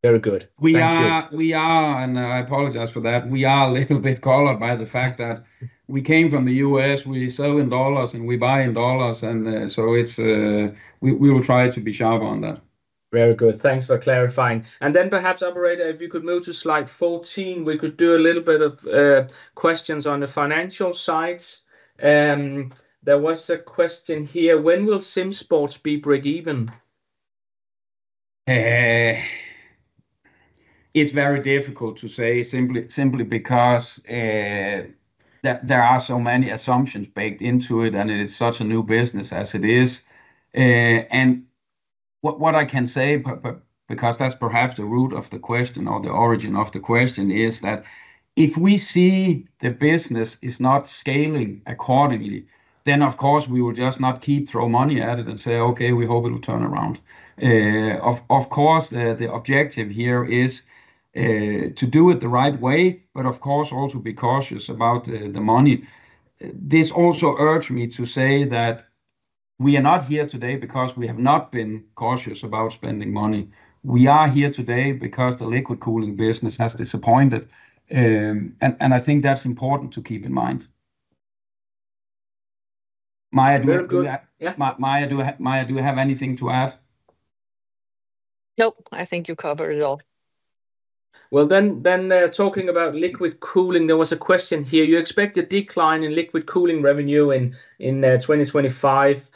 Very good. We are, and I apologize for that, we are a little bit colored by the fact that we came from the U.S., we sell in dollars, and we buy in dollars. And so we will try to be sharp on that. Very good. Thanks for clarifying. And then perhaps, André, if you could move to slide 14, we could do a little bit of questions on the financial side. There was a question here. When will SimSports be break-even? It's very difficult to say simply because there are so many assumptions baked into it, and it's such a new business as it is, and what I can say, because that's perhaps the root of the question or the origin of the question, is that if we see the business is not scaling accordingly, then of course we will just not keep throwing money at it and say, "Okay, we hope it will turn around." Of course, the objective here is to do it the right way, but of course also be cautious about the money. This also urged me to say that we are not here today because we have not been cautious about spending money. We are here today because the liquid cooling business has disappointed, and I think that's important to keep in mind. Maja, do you have anything to add? Nope.I think you covered it all. Well, then talking about liquid cooling, there was a question here. You expect a decline in liquid cooling revenue in 2025.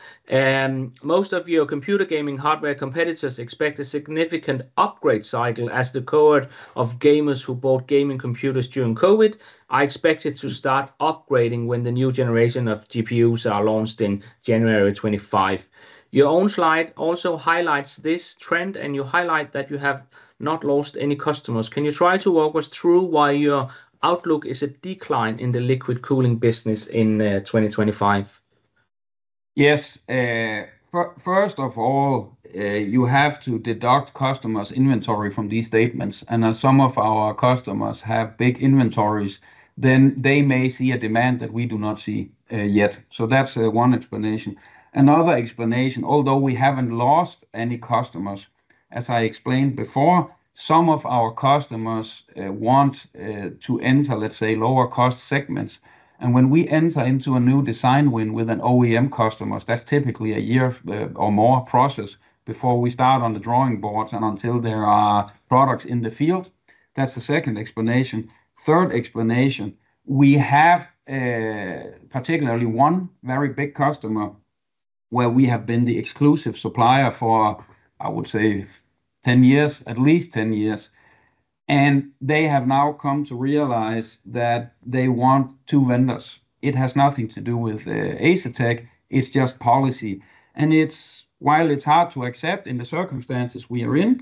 Most of your computer gaming hardware competitors expect a significant upgrade cycle as the cohort of gamers who bought gaming computers during COVID. I expect it to start upgrading when the new generation of GPUs are launched in January 2025. Your own slide also highlights this trend, and you highlight that you have not lost any customers. Can you try to walk us through why your outlook is a decline in the liquid cooling business in 2025? Yes. First of all, you have to deduct customers' inventory from these statements. And as some of our customers have big inventories, then they may see a demand that we do not see yet. So that's one explanation. Another explanation, although we haven't lost any customers, as I explained before, some of our customers want to enter, let's say, lower-cost segments. And when we enter into a new design win with an OEM customer, that's typically a year or more process before we start on the drawing boards and until there are products in the field. That's the second explanation. Third explanation, we have particularly one very big customer where we have been the exclusive supplier for, I would say, 10 years, at least 10 years. And they have now come to realize that they want two vendors. It has nothing to do with Asetek. It's just policy. And while it's hard to accept in the circumstances we are in,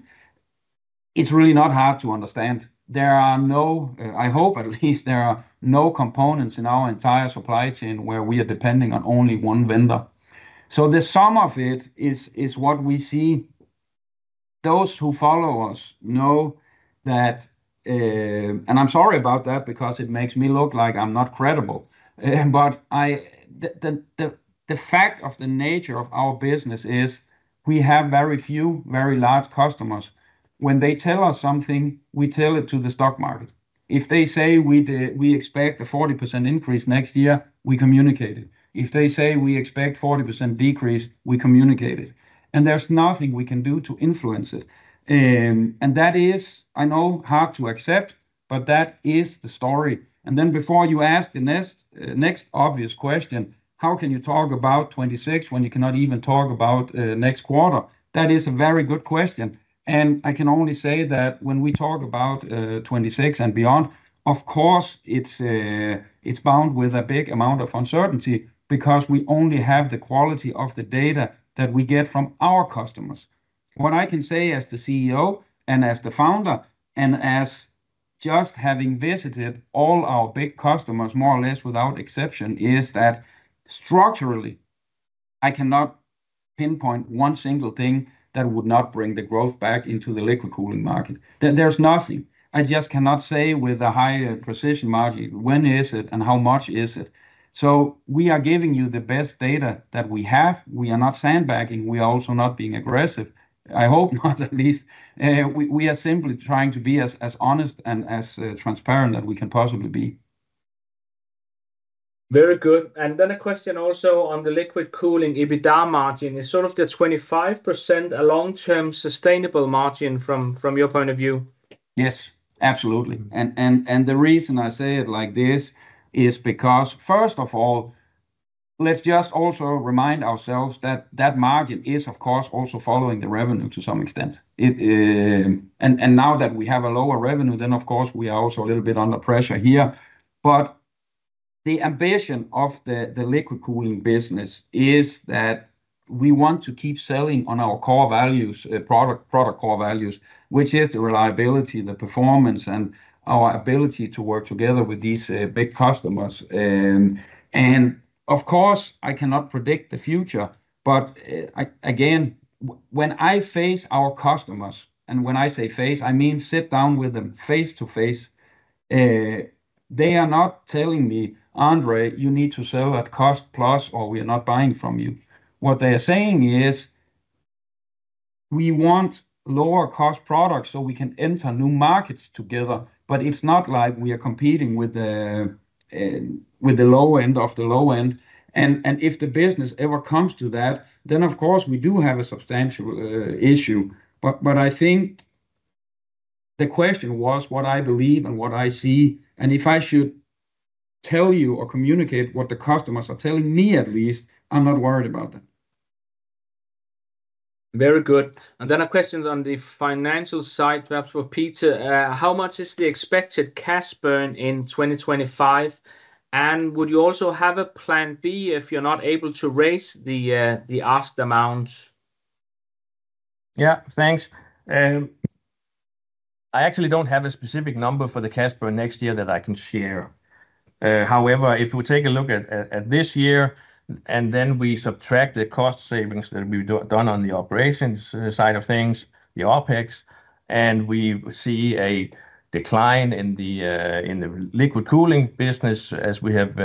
it's really not hard to understand. There are no, I hope at least there are no components in our entire supply chain where we are depending on only one vendor. So the sum of it is what we see. Those who follow us know that, and I'm sorry about that because it makes me look like I'm not credible. But the fact of the nature of our business is we have very few, very large customers. When they tell us something, we tell it to the stock market. If they say we expect a 40% increase next year, we communicate it. If they say we expect 40% decrease, we communicate it. And there's nothing we can do to influence it. And that is, I know, hard to accept, but that is the story. And then before you ask the next obvious question, how can you talk about 26 when you cannot even talk about next quarter? That is a very good question. And I can only say that when we talk about 26 and beyond, of course, it's bound with a big amount of uncertainty because we only have the quality of the data that we get from our customers. What I can say as the CEO and as the founder and as just having visited all our big customers, more or less without exception, is that structurally, I cannot pinpoint one single thing that would not bring the growth back into the liquid cooling market. There's nothing. I just cannot say with a high precision margin, when is it and how much is it. So we are giving you the best data that we have. We are not sandbagging. We are also not being aggressive. I hope not, at least. We are simply trying to be as honest and as transparent as we can possibly be. Very good. And then a question also on the liquid cooling EBITDA margin. Is sort of the 25% a long-term sustainable margin from your point of view? Yes, absolutely. And the reason I say it like this is because, first of all, let's just also remind ourselves that that margin is, of course, also following the revenue to some extent. And now that we have a lower revenue, then of course, we are also a little bit under pressure here. But the ambition of the liquid cooling business is that we want to keep selling on our core values, product core values, which is the reliability, the performance, and our ability to work together with these big customers. And of course, I cannot predict the future. But again, when I face our customers, and when I say face, I mean sit down with them face to face, they are not telling me, "André, you need to sell at cost plus," or, "We are not buying from you." What they are saying is, "We want lower-cost products so we can enter new markets together." But it's not like we are competing with the lower end of the lower end. And if the business ever comes to that, then of course, we do have a substantial issue. But I think the question was what I believe and what I see. And if I should tell you or communicate what the customers are telling me, at least, I'm not worried about that. Very good. And then a question on the financial side, perhaps for Peter. How much is the expected cash burn in 2025? And would you also have a plan B if you're not able to raise the asked amount? Yeah, thanks. I actually don't have a specific number for the cash burn next year that I can share. However, if we take a look at this year and then we subtract the cost savings that we've done on the operations side of things, the OPEX, and we see a decline in the liquid cooling business as we have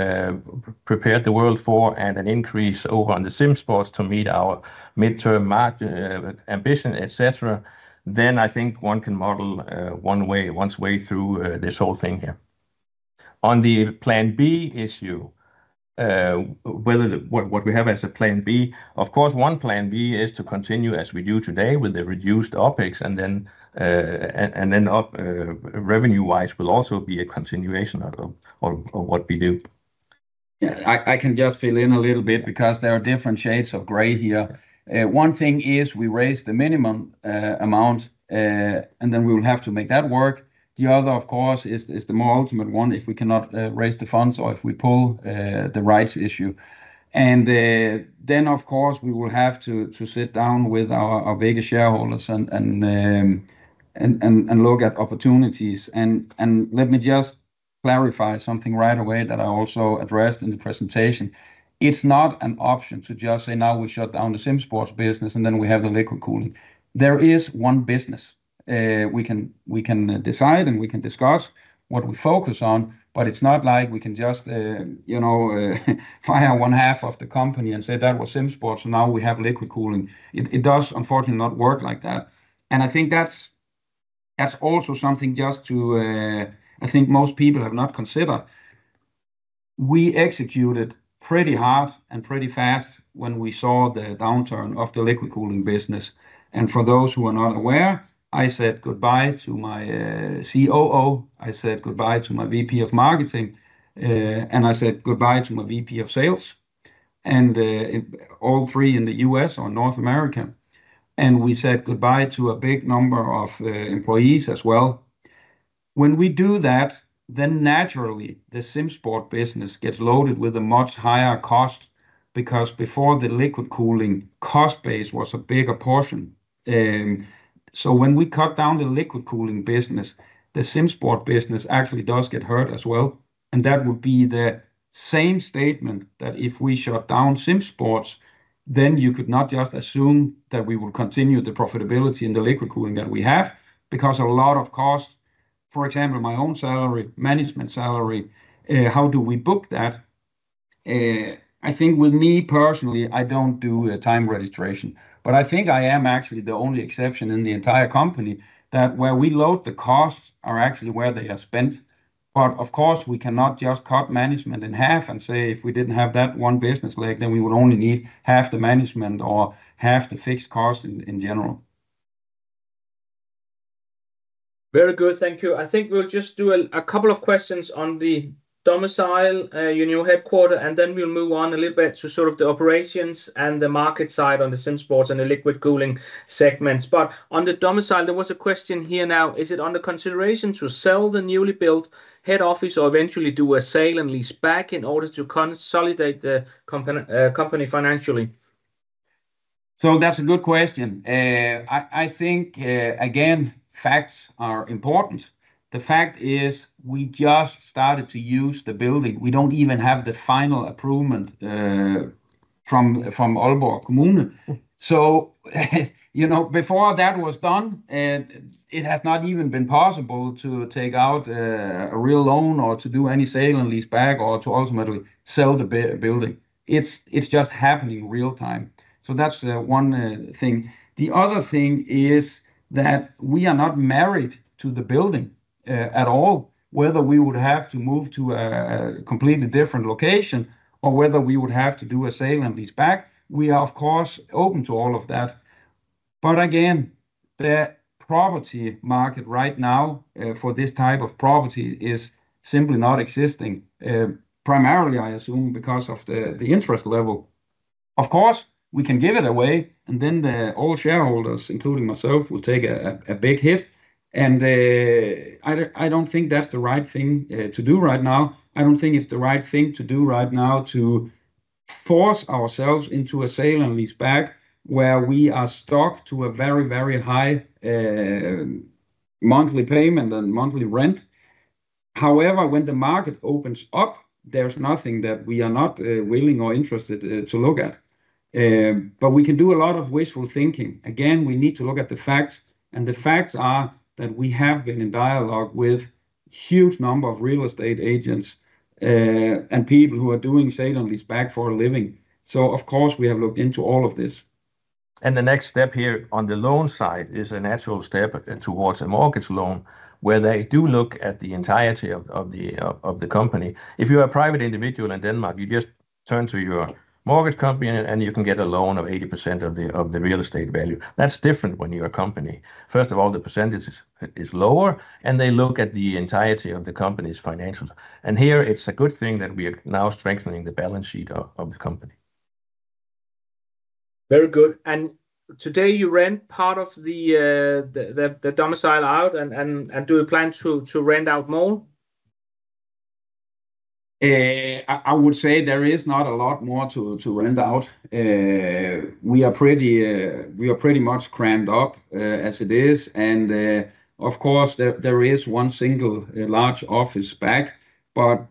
prepared the world for, and an increase over on the SimSports to meet our midterm ambition, etc., then I think one can model one's way through this whole thing here. On the plan B issue, what we have as a plan B, of course, one plan B is to continue as we do today with the reduced OPEX, and then revenue-wise will also be a continuation of what we do. Yeah, I can just fill in a little bit because there are different shades of gray here. One thing is we raise the minimum amount, and then we will have to make that work. The other, of course, is the more ultimate one if we cannot raise the funds or if we pull the rights issue. And then, of course, we will have to sit down with our biggest shareholders and look at opportunities. And let me just clarify something right away that I also addressed in the presentation. It's not an option to just say, "Now, we shut down the SimSports business, and then we have the liquid cooling." There is one business. We can decide and we can discuss what we focus on, but it's not like we can just fire one half of the company and say, "That was SimSports, and now we have liquid cooling." It does, unfortunately, not work like that, and I think that's also something just to, I think most people have not considered. We executed pretty hard and pretty fast when we saw the downturn of the liquid cooling business, and for those who are not aware, I said goodbye to my COO. I said goodbye to my VP of marketing, and I said goodbye to my VP of sales, and all three in the U.S. or North America, and we said goodbye to a big number of employees as well. When we do that, then naturally, the SimSports business gets loaded with a much higher cost because before the liquid cooling cost base was a bigger portion, so when we cut down the liquid cooling business, the SimSports business actually does get hurt as well, and that would be the same statement that if we shut down SimSports, then you could not just assume that we will continue the profitability in the liquid cooling that we have because a lot of costs, for example, my own salary, management salary, how do we book that? I think with me personally, I don't do a time registration, but I think I am actually the only exception in the entire company that where we load the costs are actually where they are spent. But of course, we cannot just cut management in half and say, "If we didn't have that one business leg, then we would only need half the management or half the fixed cost in general." Very good. Thank you. I think we'll just do a couple of questions on the domicile, your new headquarters, and then we'll move on a little bit to sort of the operations and the market side on the SimSports and the liquid cooling segments. But on the domicile, there was a question here now. Is it under consideration to sell the newly built head office or eventually do a sale and lease back in order to consolidate the company financially? So that's a good question. I think, again, facts are important. The fact is we just started to use the building. We don't even have the final approval from Aalborg Kommune. So before that was done, it has not even been possible to take out a real loan or to do any sale and lease back or to ultimately sell the building. It's just happening real time. So that's one thing. The other thing is that we are not married to the building at all. Whether we would have to move to a completely different location or whether we would have to do a sale and lease back, we are, of course, open to all of that. But again, the property market right now for this type of property is simply not existing, primarily, I assume, because of the interest level. Of course, we can give it away, and then all shareholders, including myself, will take a big hit. And I don't think that's the right thing to do right now. I don't think it's the right thing to do right now to force ourselves into a sale and lease back where we are stuck to a very, very high monthly payment and monthly rent. However, when the market opens up, there's nothing that we are not willing or interested to look at, but we can do a lot of wishful thinking. Again, we need to look at the facts, and the facts are that we have been in dialogue with a huge number of real estate agents and people who are doing sale and lease back for a living, so, of course, we have looked into all of this. And the next step here on the loan side is a natural step towards a mortgage loan where they do look at the entirety of the company. If you're a private individual in Denmark, you just turn to your mortgage company and you can get a loan of 80% of the real estate value. That's different when you're a company. First of all, the percentage is lower, and they look at the entirety of the company's financials. And here, it's a good thing that we are now strengthening the balance sheet of the company. Very good. And today, you rent part of the domicile out, and do you plan to rent out more? I would say there is not a lot more to rent out. We are pretty much crammed up as it is. And, of course, there is one single large office back. But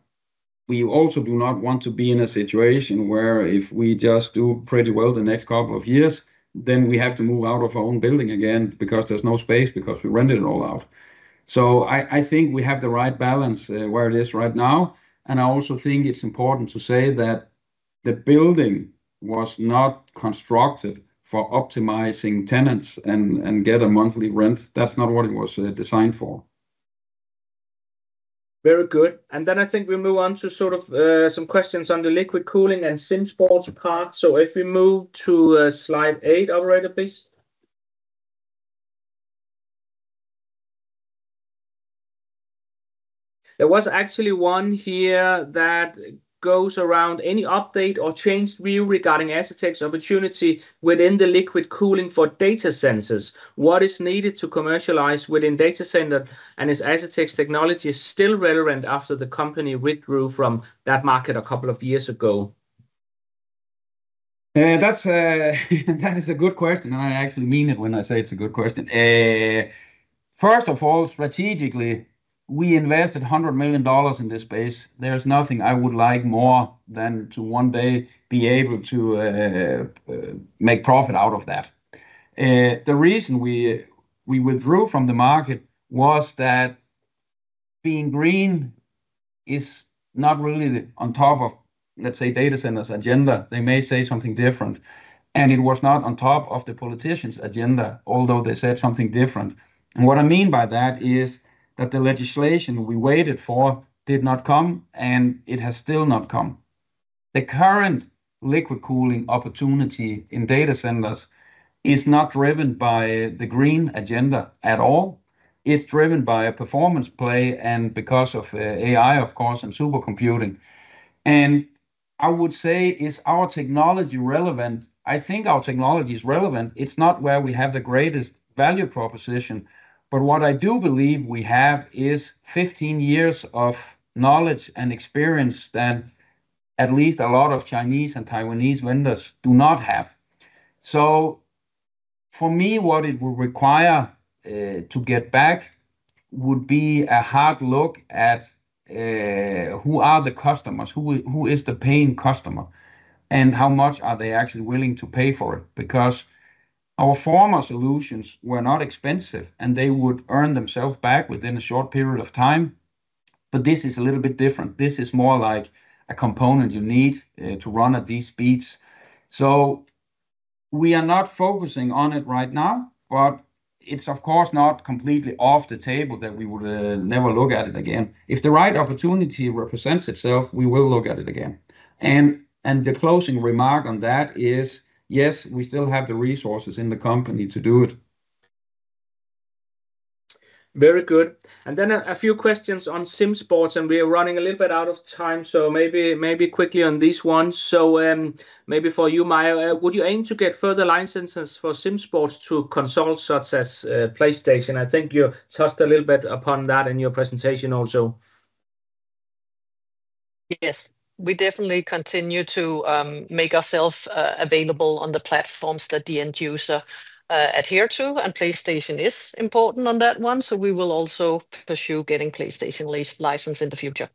we also do not want to be in a situation where if we just do pretty well the next couple of years, then we have to move out of our own building again because there's no space because we rented it all out. So I think we have the right balance where it is right now. And I also think it's important to say that the building was not constructed for optimizing tenants and gettingamonthly rent. That's not what it was designed for. Very good. And then I think we move on to sort of some questions on the liquid cooling and SimSports part. So if we move to slide eight, Albert, please. There was actually one here that goes around any update or changed view regarding Asetek's opportunity within the liquid cooling for data centers. What is needed to commercialize within data centers? Is Asetek's technology still relevant after the company withdrew from that market a couple of years ago? That is a good question, and I actually mean it when I say it's a good question. First of all, strategically, we invested $100 million in this space. There's nothing I would like more than to one day be able to make profit out of that. The reason we withdrew from the market was that being green is not really on top of, let's say, data centers' agenda. They may say something different. It was not on top of the politicians' agenda, although they said something different. What I mean by that is that the legislation we waited for did not come, and it has still not come. The current liquid cooling opportunity in data centers is not driven by the green agenda at all. It's driven by a performance play and because of AI, of course, and supercomputing. And I would say, is our technology relevant? I think our technology is relevant. It's not where we have the greatest value proposition. But what I do believe we have is 15 years of knowledge and experience that at least a lot of Chinese and Taiwanese vendors do not have. So for me, what it would require to get back would be a hard look at who are the customers, who is the paying customer, and how much are they actually willing to pay for it. Because our former solutions were not expensive, and they would earn themselves back within a short period of time. But this is a little bit different. This is more like a component you need to run at these speeds. So we are not focusing on it right now, but it's, of course, not completely off the table that we would never look at it again. If the right opportunity represents itself, we will look at it again. And the closing remark on that is, yes, we still have the resources in the company to do it. Very good. And then a few questions on SimSports, and we are running a little bit out of time. So maybe quickly on these ones. So maybe for you, Maja, would you aim to get further licenses for SimSports to consoles such as PlayStation? I think you touched a little bit upon that in your presentation also. Yes, we definitely continue to make ourselves available on the platforms that the end user adhere to. And PlayStation is important on that one. So we will also pursue getting PlayStation licensed in the future.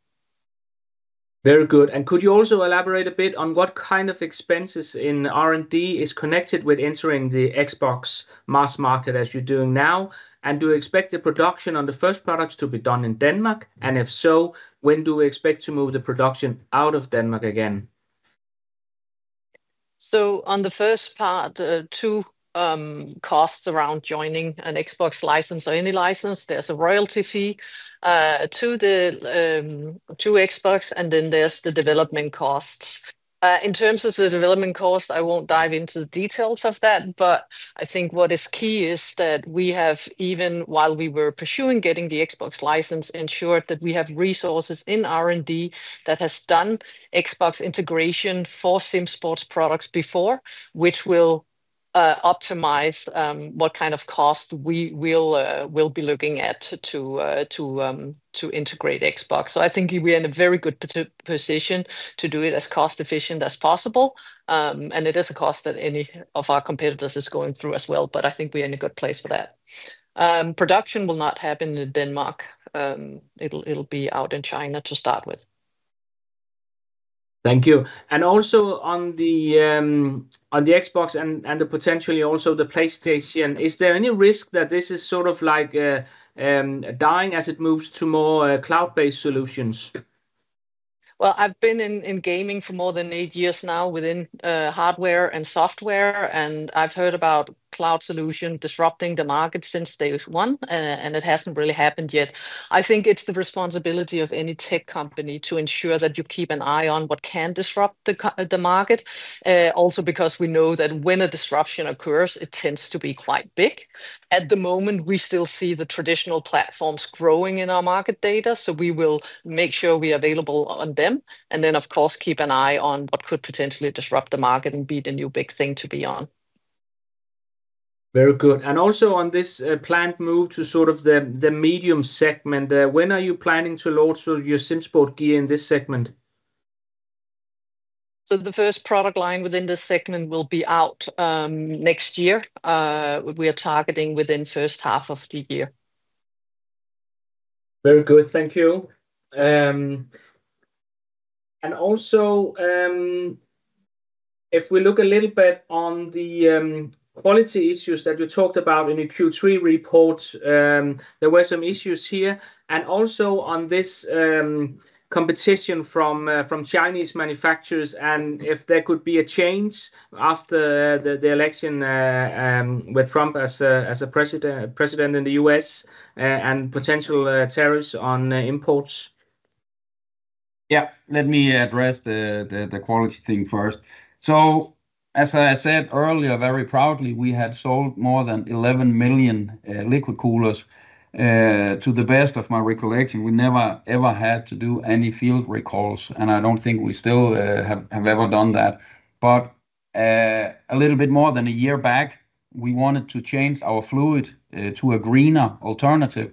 Very good. And could you also elaborate a bit on what kind of expenses in R&D is connected with entering the Xbox mass market as you're doing now? And do you expect the production on the first products to be done in Denmark? And if so, when do we expect to move the production out of Denmark again? So on the first part, two costs around joining an Xbox license or any license. There's a royalty fee to Xbox, and then there's the development costs. In terms of the development cost, I won't dive into the details of that. But I think what is key is that we have, even while we were pursuing getting the Xbox license, ensured that we have resources in R&D that have done Xbox integration for SimSports products before, which will optimize what kind of cost we will be looking at to integrate Xbox. I think we are in a very good position to do it as cost-efficient as possible. And it is a cost that any of our competitors is going through as well. But I think we are in a good place for that. Production will not happen in Denmark. It will be out in China to start with. Thank you. And also on the Xbox and potentially also the PlayStation, is there any risk that this is sort of dying as it moves to more cloud-based solutions? Well, I have been in gaming for more than eight years now within hardware and software, and I have heard about cloud solutions disrupting the market since day one, and it has not really happened yet. I think it is the responsibility of any tech company to ensure that you keep an eye on what can disrupt the market. Also because we know that when a disruption occurs, it tends to be quite big. At the moment, we still see the traditional platforms growing in our market data, so we will make sure we are available on them. And then, of course, keep an eye on what could potentially disrupt the market and be the new big thing to be on. Very good. And also on this planned move to sort of the medium segment, when are you planning to load your SimSports gear in this segment? So the first product line within this segment will be out next year. We are targeting within the first half of the year. Very good. Thank you. And also, if we look a little bit on the quality issues that you talked about in the Q3 report, there were some issues here. And also on this competition from Chinese manufacturers and if there could be a change after the election with Trump as a president in the U.S. and potential tariffs on imports? Yeah, let me address the quality thing first. So as I said earlier, very proudly, we had sold more than 11 million liquid coolers. To the best of my recollection, we never ever had to do any field recalls, and I don't think we still have ever done that. But a little bit more than a year back, we wanted to change our fluid to a greener alternative,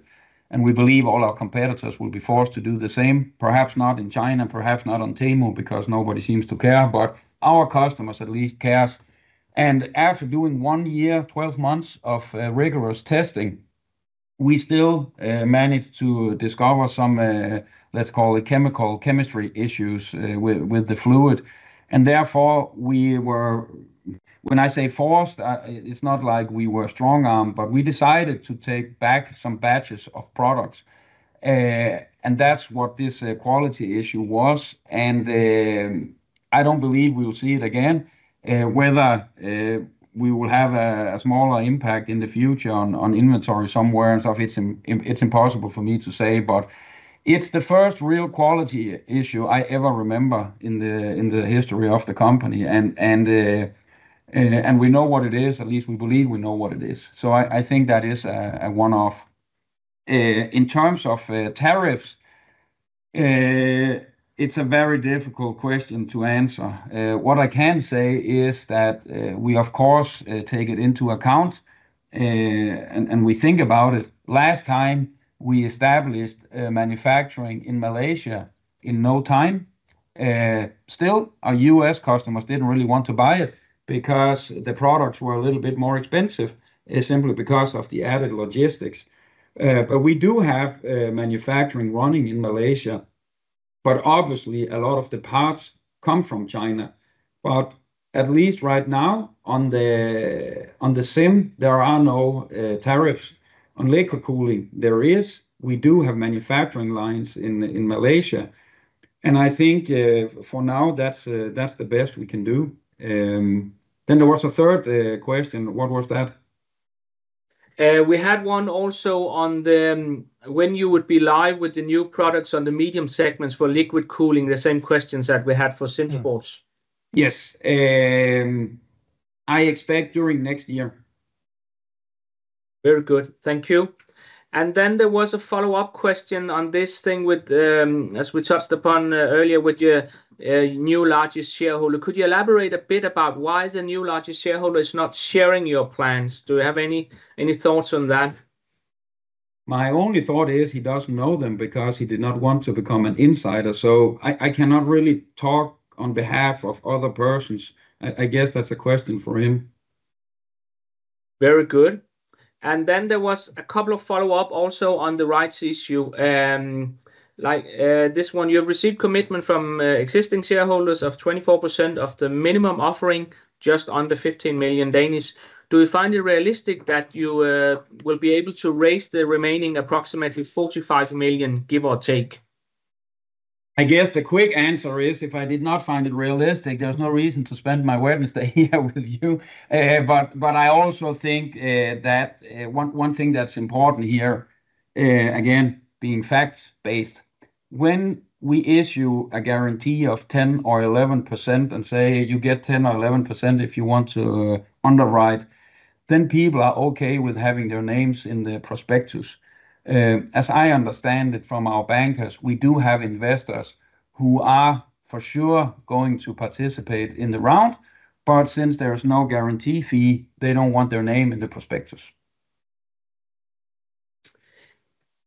and we believe all our competitors will be forced to do the same. Perhaps not in China, perhaps not on Temu because nobody seems to care, but our customers at least care. And after doing one year, 12 months of rigorous testing, we still managed to discover some, let's call it, chemical chemistry issues with the fluid. And therefore, when I say forced, it's not like we were strong-armed, but we decided to take back some batches of products. And that's what this quality issue was. And I don't believe we will see it again, whether we will have a smaller impact in the future on inventory somewhere. It's impossible for me to say, but it's the first real quality issue I ever remember in the history of the company. And we know what it is. At least we believe we know what it is. So I think that is a one-off. In terms of tariffs, it's a very difficult question to answer. What I can say is that we, of course, take it into account, and we think about it. Last time, we established manufacturing in Malaysia in no time. Still, our U.S. customers didn't really want to buy it because the products were a little bit more expensive simply because of the added logistics. But we do have manufacturing running in Malaysia. But obviously, a lot of the parts come from China. But at least right now, on the sim, there are no tariffs. On liquid cooling, there is. We do have manufacturing lines in Malaysia. And I think for now, that's the best we can do. Then there was a third question. What was that? We had one also on when you would be live with the new products on the medium segments for liquid cooling, the same questions that we had for SimSports. Yes. I expect during next year. Very good. Thank you. And then there was a follow-up question on this thing with, as we touched upon earlier, with your new largest shareholder. Could you elaborate a bit about why the new largest shareholder is not sharing your plans? Do you have any thoughts on that? My only thought is he doesn't know them because he did not want to become an insider. So I cannot really talk on behalf of other persons. I guess that's a question for him. Very good. And then there was a couple of follow-ups also on the rights issue. Like this one, you've received commitment from existing shareholders of 24% of the minimum offering just under 15 million. Do you find it realistic that you will be able to raise the remaining approximately 45 million, give or take? I guess the quick answer is, if I did not find it realistic, there's no reason to spend my time here with you. But I also think that one thing that's important here, again, being facts-based, when we issue a guarantee of 10% or 11% and say, "You get 10% or 11% if you want to underwrite," then people are okay with having their names in the prospectus. As I understand it from our bankers, we do have investors who are for sure going to participate in the round. But since there is no guarantee fee, they don't want their name in the prospectus.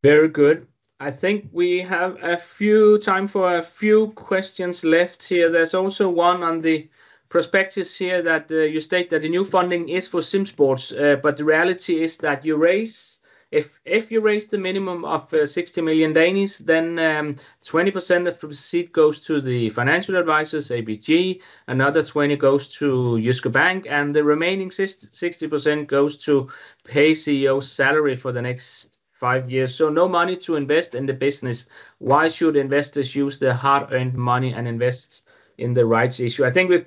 Very good. I think we have a little time for a few questions left here. There's also one on the prospectus here that you state that the new funding is for SimSports. But the reality is that if you raise the minimum of 60 million, then 20% of the receipt goes to the financial advisors, ABG. Another 20% goes to Jyske Bank, and the remaining 60% goes to pay CEO salary for the next five years. So no money to invest in the business. Why should investors use the hard-earned money and invest in the rights issue? I think we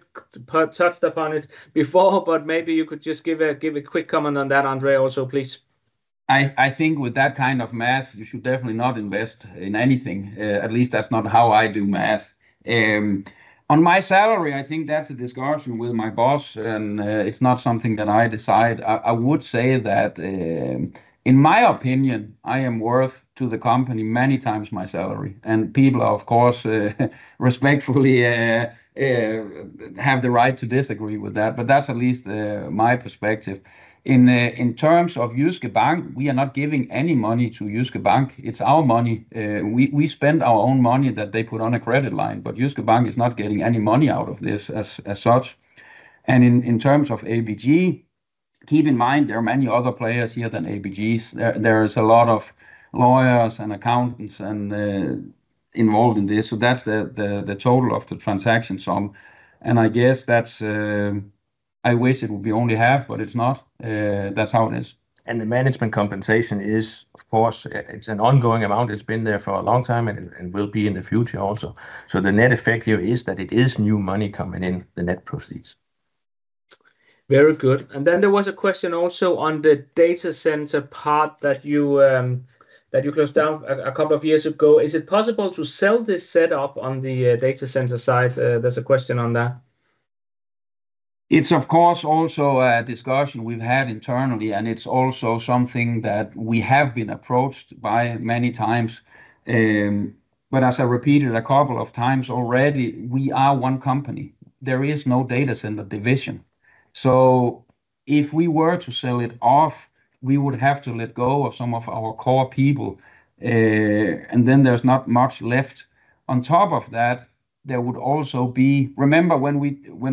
touched upon it before, but maybe you could just give a quick comment on that, André, also, please. I think with that kind of math, you should definitely not invest in anything. At least that's not how I do math. On my salary, I think that's a discussion with my boss, and it's not something that I decide. I would say that, in my opinion, I am worth to the company many times my salary. People, of course, respectfully have the right to disagree with that, but that's at least my perspective. In terms of Jyske Bank, we are not giving any money to Jyske Bank. It's our money. We spend our own money that they put on a credit line, but Jyske Bank is not getting any money out of this as such, and in terms of ABG, keep in mind there are many other players here than ABGs. There is a lot of lawyers and accountants involved in this, so that's the total of the transaction sum, and I guess I wish it would be only half, but it's not. That's how it is, and the management compensation is, of course, it's an ongoing amount. It's been there for a long time and will be in the future also. So the net effect here is that it is new money coming in, the net proceeds. Very good. And then there was a question also on the data center part that you closed down a couple of years ago. Is it possible to sell this setup on the data center side? There's a question on that. It's, of course, also a discussion we've had internally, and it's also something that we have been approached by many times. But as I repeated a couple of times already, we are one company. There is no data center division. So if we were to sell it off, we would have to let go of some of our core people. And then there's not much left. On top of that, there would also be. Remember when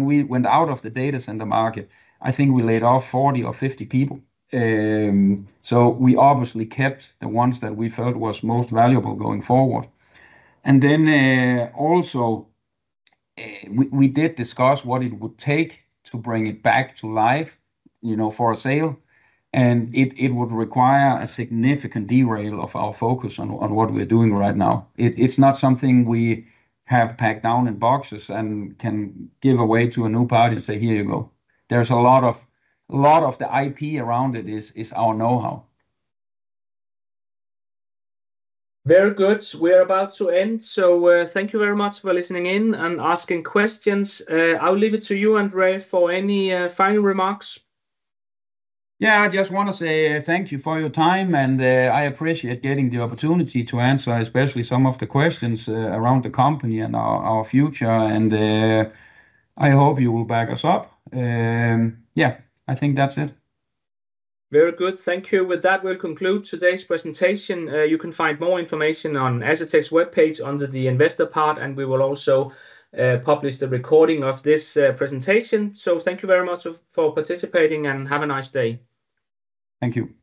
we went out of the data center market, I think we laid off 40 or 50 people. So we obviously kept the ones that we felt were most valuable going forward. And then also we did discuss what it would take to bring it back to life for a sale. And it would require a significant derail of our focus on what we're doing right now. It's not something we have packed down in boxes and can give away to a new party and say, "Here you go." There's a lot of the IP around it is our know-how. Very good. We are about to end. So thank you very much for listening in and asking questions. I'll leave it to you, André, for any final remarks. Yeah, I just want to say thank you for your time, and I appreciate getting the opportunity to answer, especially some of the questions around the company and our future. And I hope you will back us up. Yeah, I think that's it. Very good. Thank you. With that, we'll conclude today's presentation. You can find more information on Asetek's webpage under the investor part, and we will also publish the recording of this presentation. So thank you very much for participating and have a nice day. Thank you.